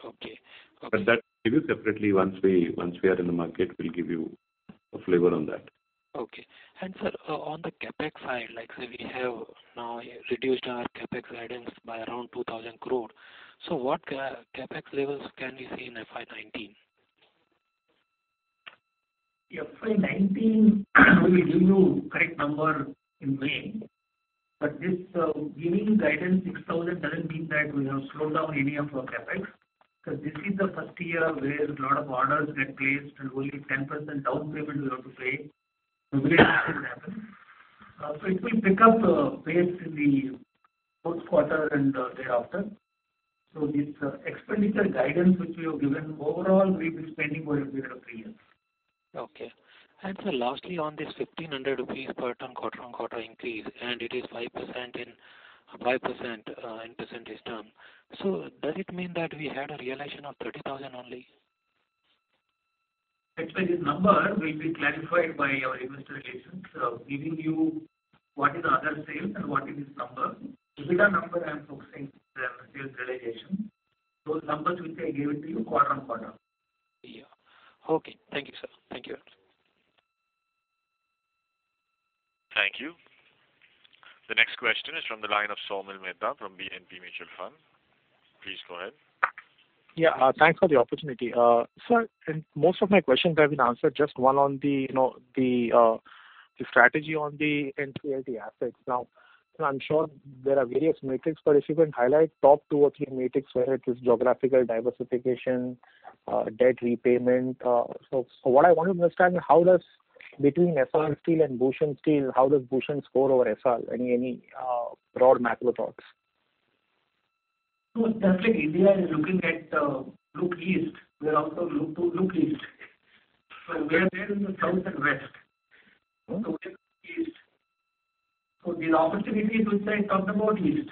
Okay. Okay. That will be separately once we are in the market, we will give you a flavor on that. Okay. Sir, on the CapEx side, like say we have now reduced our CapEx guidance by around 2,000 crore. What CapEx levels can we see in FY 2019? FY 2019, we will give you a correct number in May. This giving guidance 6,000 crore does not mean that we have slowed down any of our CapEx. Because this is the first year where a lot of orders get placed and only 10% down payment we have to pay. Very little will happen. It will pick up pace in the fourth quarter and thereafter. This expenditure guidance which we have given, overall we have been spending for a period of three years. Okay. Sir, lastly, on this 1,500 rupees per ton quarter on quarter increase, and it is 5% in percentage term. Does it mean that we had a realization of 30,000 only? Actually, this number will be clarified by our investor agency of giving you what is the other sales and what is this number. EBITDA number I am focusing on the sales realization. Those numbers which I gave to you quarter on quarter. Yeah. Okay. Thank you, sir. Thank you very much. Thank you. The next question is from the line of Somil Mehta from BNP Mutual Fund. Please go ahead. Yeah. Thanks for the opportunity. Sir, most of my questions have been answered, just one on the strategy on the NCLT assets. Now, I'm sure there are various metrics, but if you can highlight top two or three metrics, whether it is geographical diversification, debt repayment. What I want to understand is how does between SR Steel and Bhushan Steel, how does Bhushan score over SR? Any broad macro thoughts? It's definitely India is looking at the look east. We are out of look east. We are there in the south and west. We are look east. There are opportunities which I talked about east.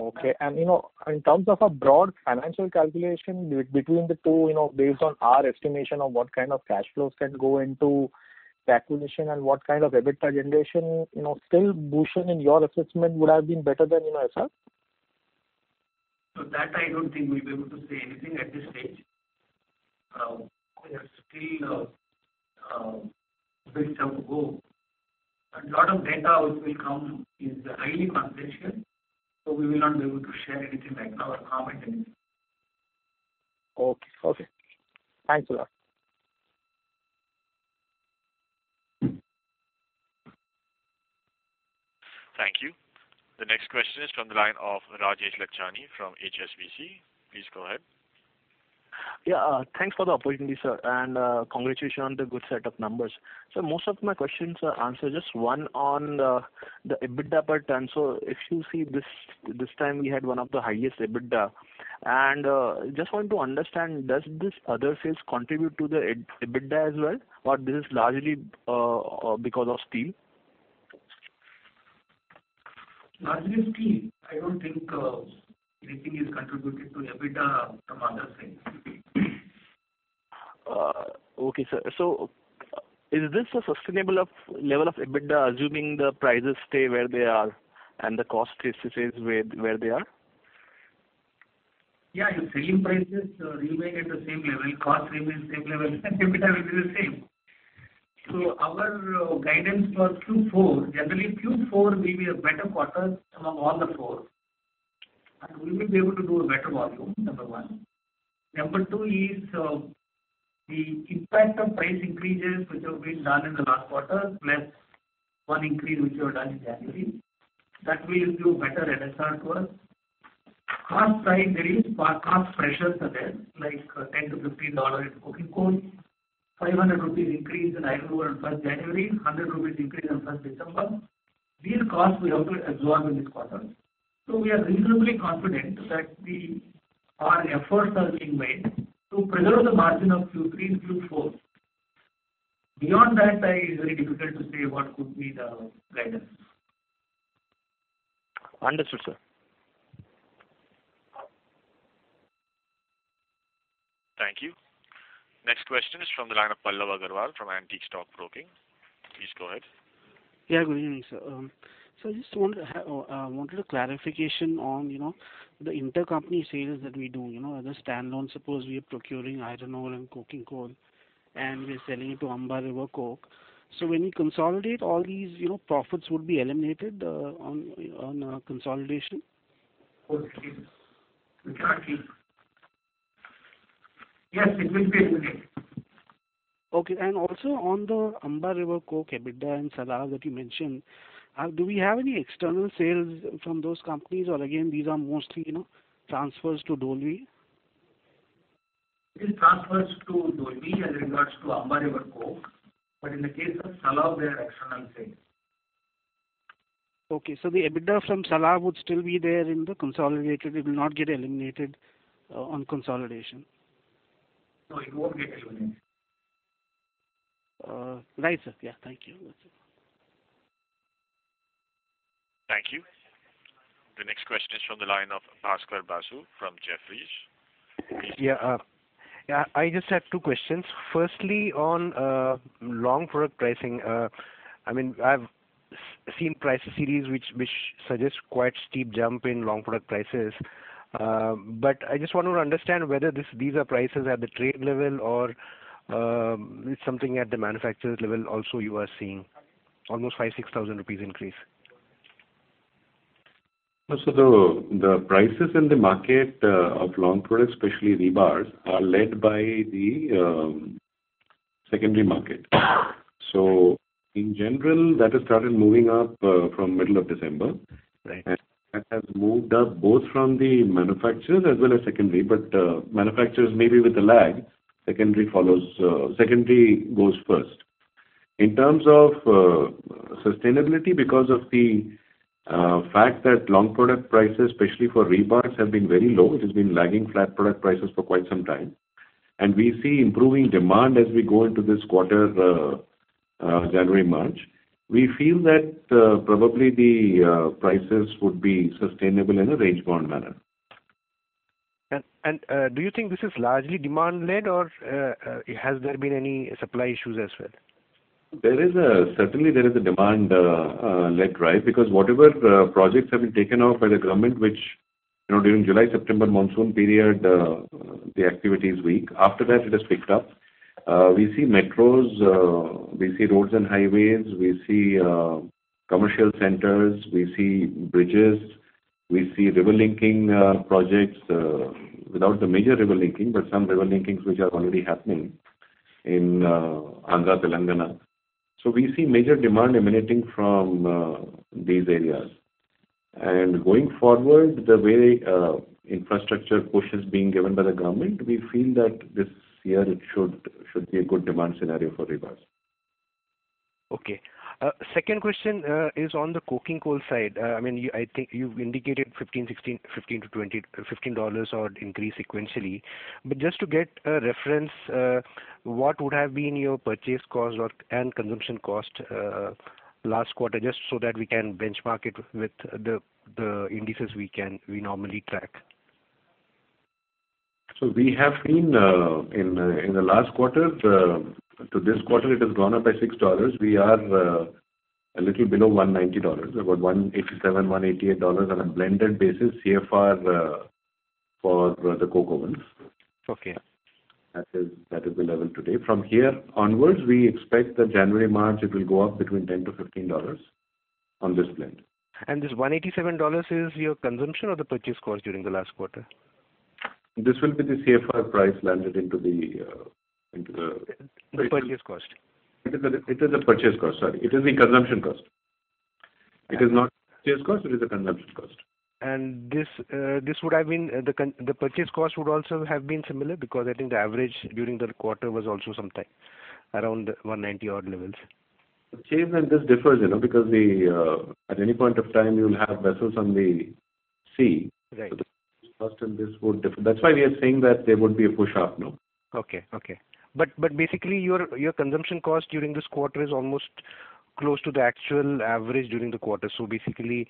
Okay. In terms of a broad financial calculation between the two, based on our estimation of what kind of cash flows can go into the acquisition and what kind of EBITDA generation, still Bhushan in your assessment would have been better than SR? That I do not think we will be able to say anything at this stage. We have still a big chunk to go. A lot of data which will come is highly confidential. We will not be able to share anything right now or comment anything. Okay. Thanks a lot. Thank you. The next question is from the line of Rajesh Lachhani from HSBC. Please go ahead. Yeah. Thanks for the opportunity, sir. Congratulations on the good set of numbers. Most of my questions are answered. Just one on the EBITDA per ton. If you see this time we had one of the highest EBITDA. I just wanted to understand, does this other sales contribute to the EBITDA as well, or this is largely because of steel? Largely steel. I do not think anything is contributed to EBITDA from other sides. Okay, sir. Is this a sustainable level of EBITDA assuming the prices stay where they are and the cost is where they are? Yeah. If selling prices remain at the same level, cost remains the same level, EBITDA will be the same. Our guidance for Q4, generally Q4 will be a better quarter among all the four. We will be able to do a better volume, number one. Number two is the impact of price increases which have been done in the last quarter plus one increase which we have done in January. That will give you a better SR to us. Cost side, there is cost pressures there like $10-$15 in coking cost, 500 rupees increase in iron ore on first January, 100 rupees increase on first December. These costs we have to absorb in this quarter. We are reasonably confident that our efforts are being made to preserve the margin of Q3 and Q4. Beyond that, it is very difficult to say what could be the guidance. Understood, sir. Thank you. Next question is from the line of Pallav Agarwal from Antique Stock Broking. Please go ahead. Yeah. Good evening, sir. I just wanted a clarification on the intercompany sales that we do. Other standalone suppose we are procuring iron ore and coking coal, and we are selling it to Amba River Coke. When you consolidate all these, profits would be eliminated on consolidation? Yes. It will be eliminated. Okay. Also, on the Amba River Coke EBITDA and Salav that you mentioned, do we have any external sales from those companies? Or again, these are mostly transfers to Dolvi? This is transfers to Dolvi as regards to Amba River Coke. In the case of Salav, there are external sales. Okay. The EBITDA from Salav would still be there in the consolidated? It will not get eliminated on consolidation? No, it will not get eliminated. Right, sir. Yeah. Thank you. That is it. Thank you. The next question is from the line of Bhaskar Basu from Jefferies. Please. Yeah. I just have two questions. Firstly, on long product pricing. I mean, I have seen price series which suggest quite steep jump in long product prices. I just want to understand whether these are prices at the trade level or it's something at the manufacturer's level also you are seeing almost 5,000-6,000 rupees increase. The prices in the market of long products, especially rebars, are led by the secondary market. In general, that has started moving up from middle of December. That has moved up both from the manufacturers as well as secondary. Manufacturers may be with a lag. Secondary goes first. In terms of sustainability, because of the fact that long product prices, especially for rebars, have been very low, it has been lagging flat product prices for quite some time. We see improving demand as we go into this quarter, January, March. We feel that probably the prices would be sustainable in a range-bound manner. Do you think this is largely demand-led, or has there been any supply issues as well? Certainly, there is a demand-led drive. Because whatever projects have been taken off by the government, which during July-September monsoon period, the activity is weak. After that, it has picked up. We see metros, we see roads and highways, we see commercial centers, we see bridges, we see river linking projects without the major river linking, but some river linkings which are already happening in Andhra Telangana. We see major demand emanating from these areas. Going forward, the way infrastructure push is being given by the government, we feel that this year it should be a good demand scenario for rebars. Okay. Second question is on the coking coal side. I mean, I think you've indicated $15-$20 increase sequentially. Just to get a reference, what would have been your purchase cost and consumption cost last quarter just so that we can benchmark it with the indices we normally track? We have seen in the last quarter, to this quarter, it has gone up by $6. We are a little below $190, about $187, $188 on a blended basis CFR for the coking coal ones. That is the level today. From here onwards, we expect that January-March, it will go up between $10-$15 on this blend. This $187 is your consumption or the purchase cost during the last quarter? This will be the CFR price landed into the purchase cost. It is a purchase cost, sorry. It is a consumption cost. It is not a purchase cost, it is a consumption cost. This would have been the purchase cost would also have been similar because I think the average during the quarter was also sometime around 190 odd levels. The change in this differs because at any point of time, you'll have vessels on the sea. The cost in this would differ. That is why we are saying that there would be a push up now. Okay. Okay. Basically, your consumption cost during this quarter is almost close to the actual average during the quarter. Basically,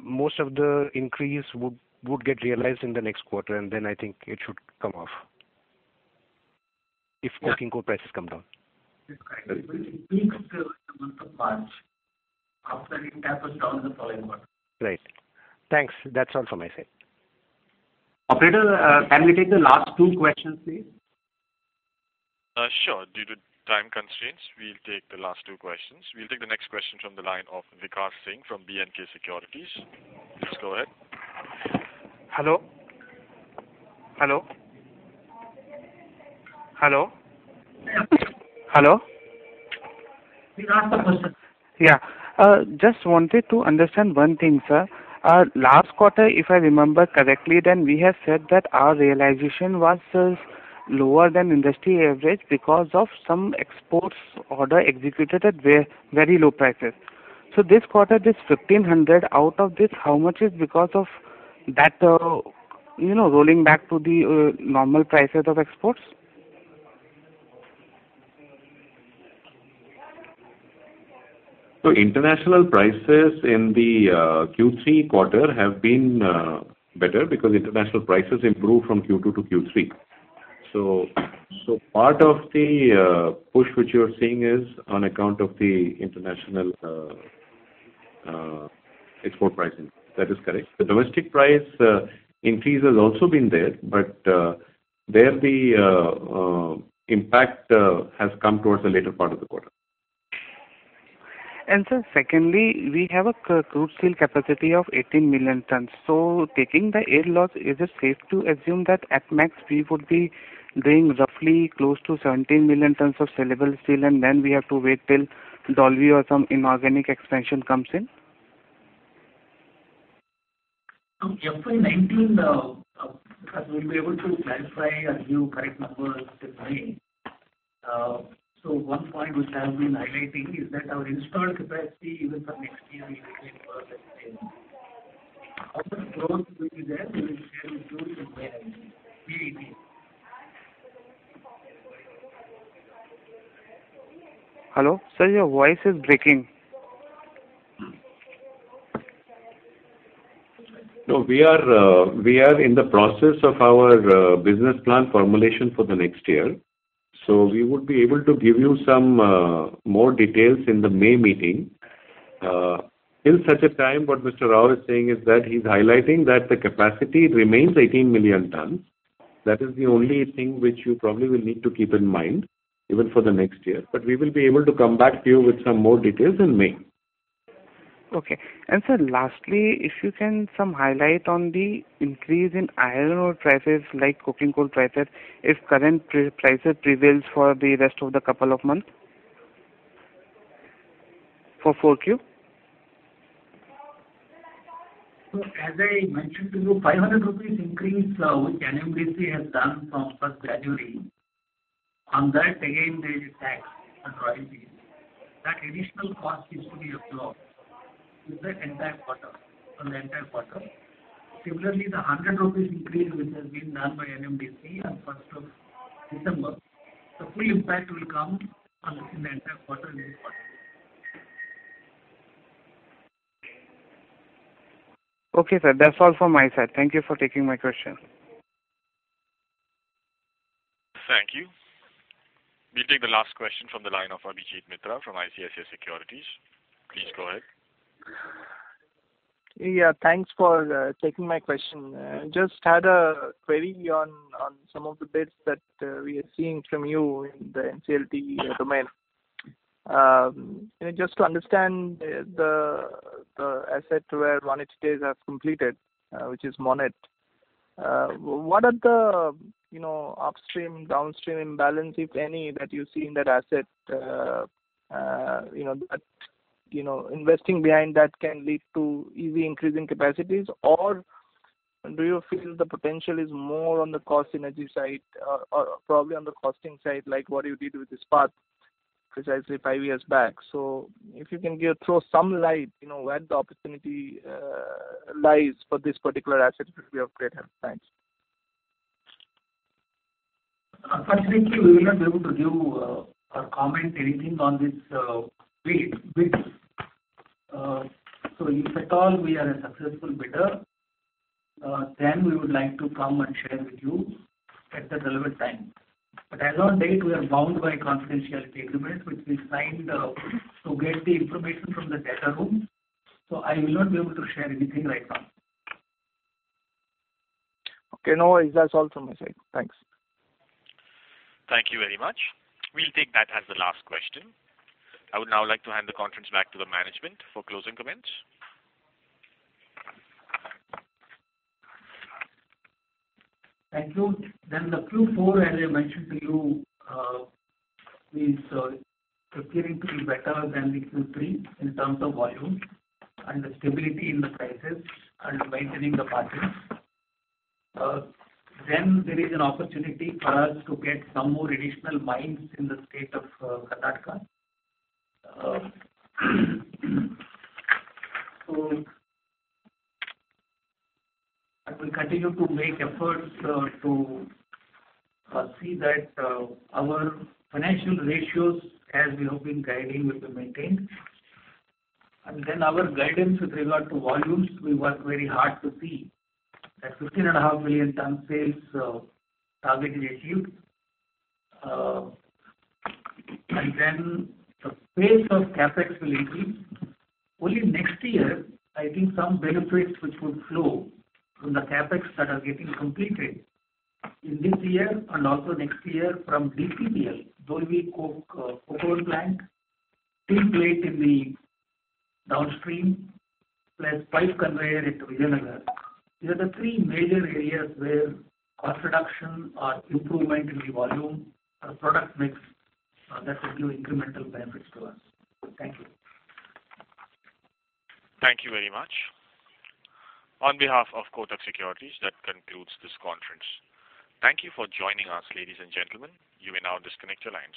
most of the increase would get realized in the next quarter, and then I think it should come off if coking coal prices come down. It will increase in the month of March after it tapers down in the following quarter. Right. Thanks. That is all from my side. Operator, can we take the last two questions, please? Sure. Due to time constraints, we'll take the last two questions. We'll take the next question from the line of Vikas Singh from BNK Securities. Please go ahead. Hello. Vikas, the person. Yeah. Just wanted to understand one thing, sir. Last quarter, if I remember correctly, then we have said that our realization was lower than industry average because of some exports order executed at very low prices. This quarter, this 1,500, out of this, how much is because of that rolling back to the normal prices of exports? International prices in the Q3 quarter have been better because international prices improved from Q2 to Q3. Part of the push which you're seeing is on account of the international export pricing. That is correct. The domestic price increase has also been there, but there the impact has come towards the later part of the quarter. Sir, secondly, we have a crude steel capacity of 18 million tons. Taking the air loss, is it safe to assume that at max we would be doing roughly close to 17 million tons of sellable steel, and then we have to wait till Dolvi or some inorganic expansion comes in? From April 2019, as we will be able to clarify and give you correct numbers this spring. One point which I have been highlighting is that our installed capacity even for next year is equally more than the same. How much growth will be there? We will share with you in May, May 2018. Hello. Sir, your voice is breaking. We are in the process of our business plan formulation for the next year. We would be able to give you some more details in the May meeting. In such a time, what Mr. Rao is saying is that he's highlighting that the capacity remains 18 million tons. That is the only thing which you probably will need to keep in mind even for the next year. We will be able to come back to you with some more details in May. Okay. Sir, lastly, if you can highlight on the increase in iron ore prices like coking coal prices, if current prices prevail for the rest of the couple of months for 4Q? As I mentioned to you, $500 increase which NMDC has done from first January. On that, again, there is a tax on royalty. That additional cost needs to be absorbed in the entire quarter, on the entire quarter. Similarly, the $100 increase which has been done by NMDC on first of December. The full impact will come in the entire quarter in this quarter. Okay, sir. That's all from my side. Thank you for taking my question. Thank you. We'll take the last question from the line of Abhijit Mitra from ICICI Securities. Please go ahead. Yeah. Thanks for taking my question. Just had a query on some of the bids that we are seeing from you in the NCLT domain. Just to understand the asset where monetary days have completed, which is Monnet. What are the upstream, downstream imbalance, if any, that you see in that asset that investing behind that can lead to easy increasing capacities? Or do you feel the potential is more on the cost energy side or probably on the costing side like what you did with Ispat precisely five years back? If you can throw some light, where the opportunity lies for this particular asset, it would be of great help. Thanks. Unfortunately, we will not be able to give or comment anything on this bid. If at all we are a successful bidder, then we would like to come and share with you at the relevant time. As of date, we are bound by confidentiality agreements which we signed to get the information from the data room. I will not be able to share anything right now. Okay. No worries. That's all from my side. Thanks. Thank you very much. We'll take that as the last question. I would now like to hand the conference back to the management for closing comments. Thank you. The Q4, as I mentioned to you, is appearing to be better than the Q3 in terms of volume and the stability in the prices and maintaining the patterns. There is an opportunity for us to get some more additional mines in the state of Karnataka. We will continue to make efforts to see that our financial ratios, as we have been guiding, will be maintained. Our guidance with regard to volumes, we work very hard to see that 15.5 million tons sales target is achieved. The pace of CapEx will increase. Only next year, I think some benefits which would flow from the CapEx that are getting completed in this year and also next year from DCPL, Dolvi Coke Oven Plant, Tin Plate in the downstream, plus Pipe Conveyor in Vijayanagar. These are the three major areas where cost reduction or improvement in the volume or product mix that will give incremental benefits to us. Thank you. Thank you very much. On behalf of Kotak Securities, that concludes this conference. Thank you for joining us, ladies and gentlemen. You may now disconnect your lines.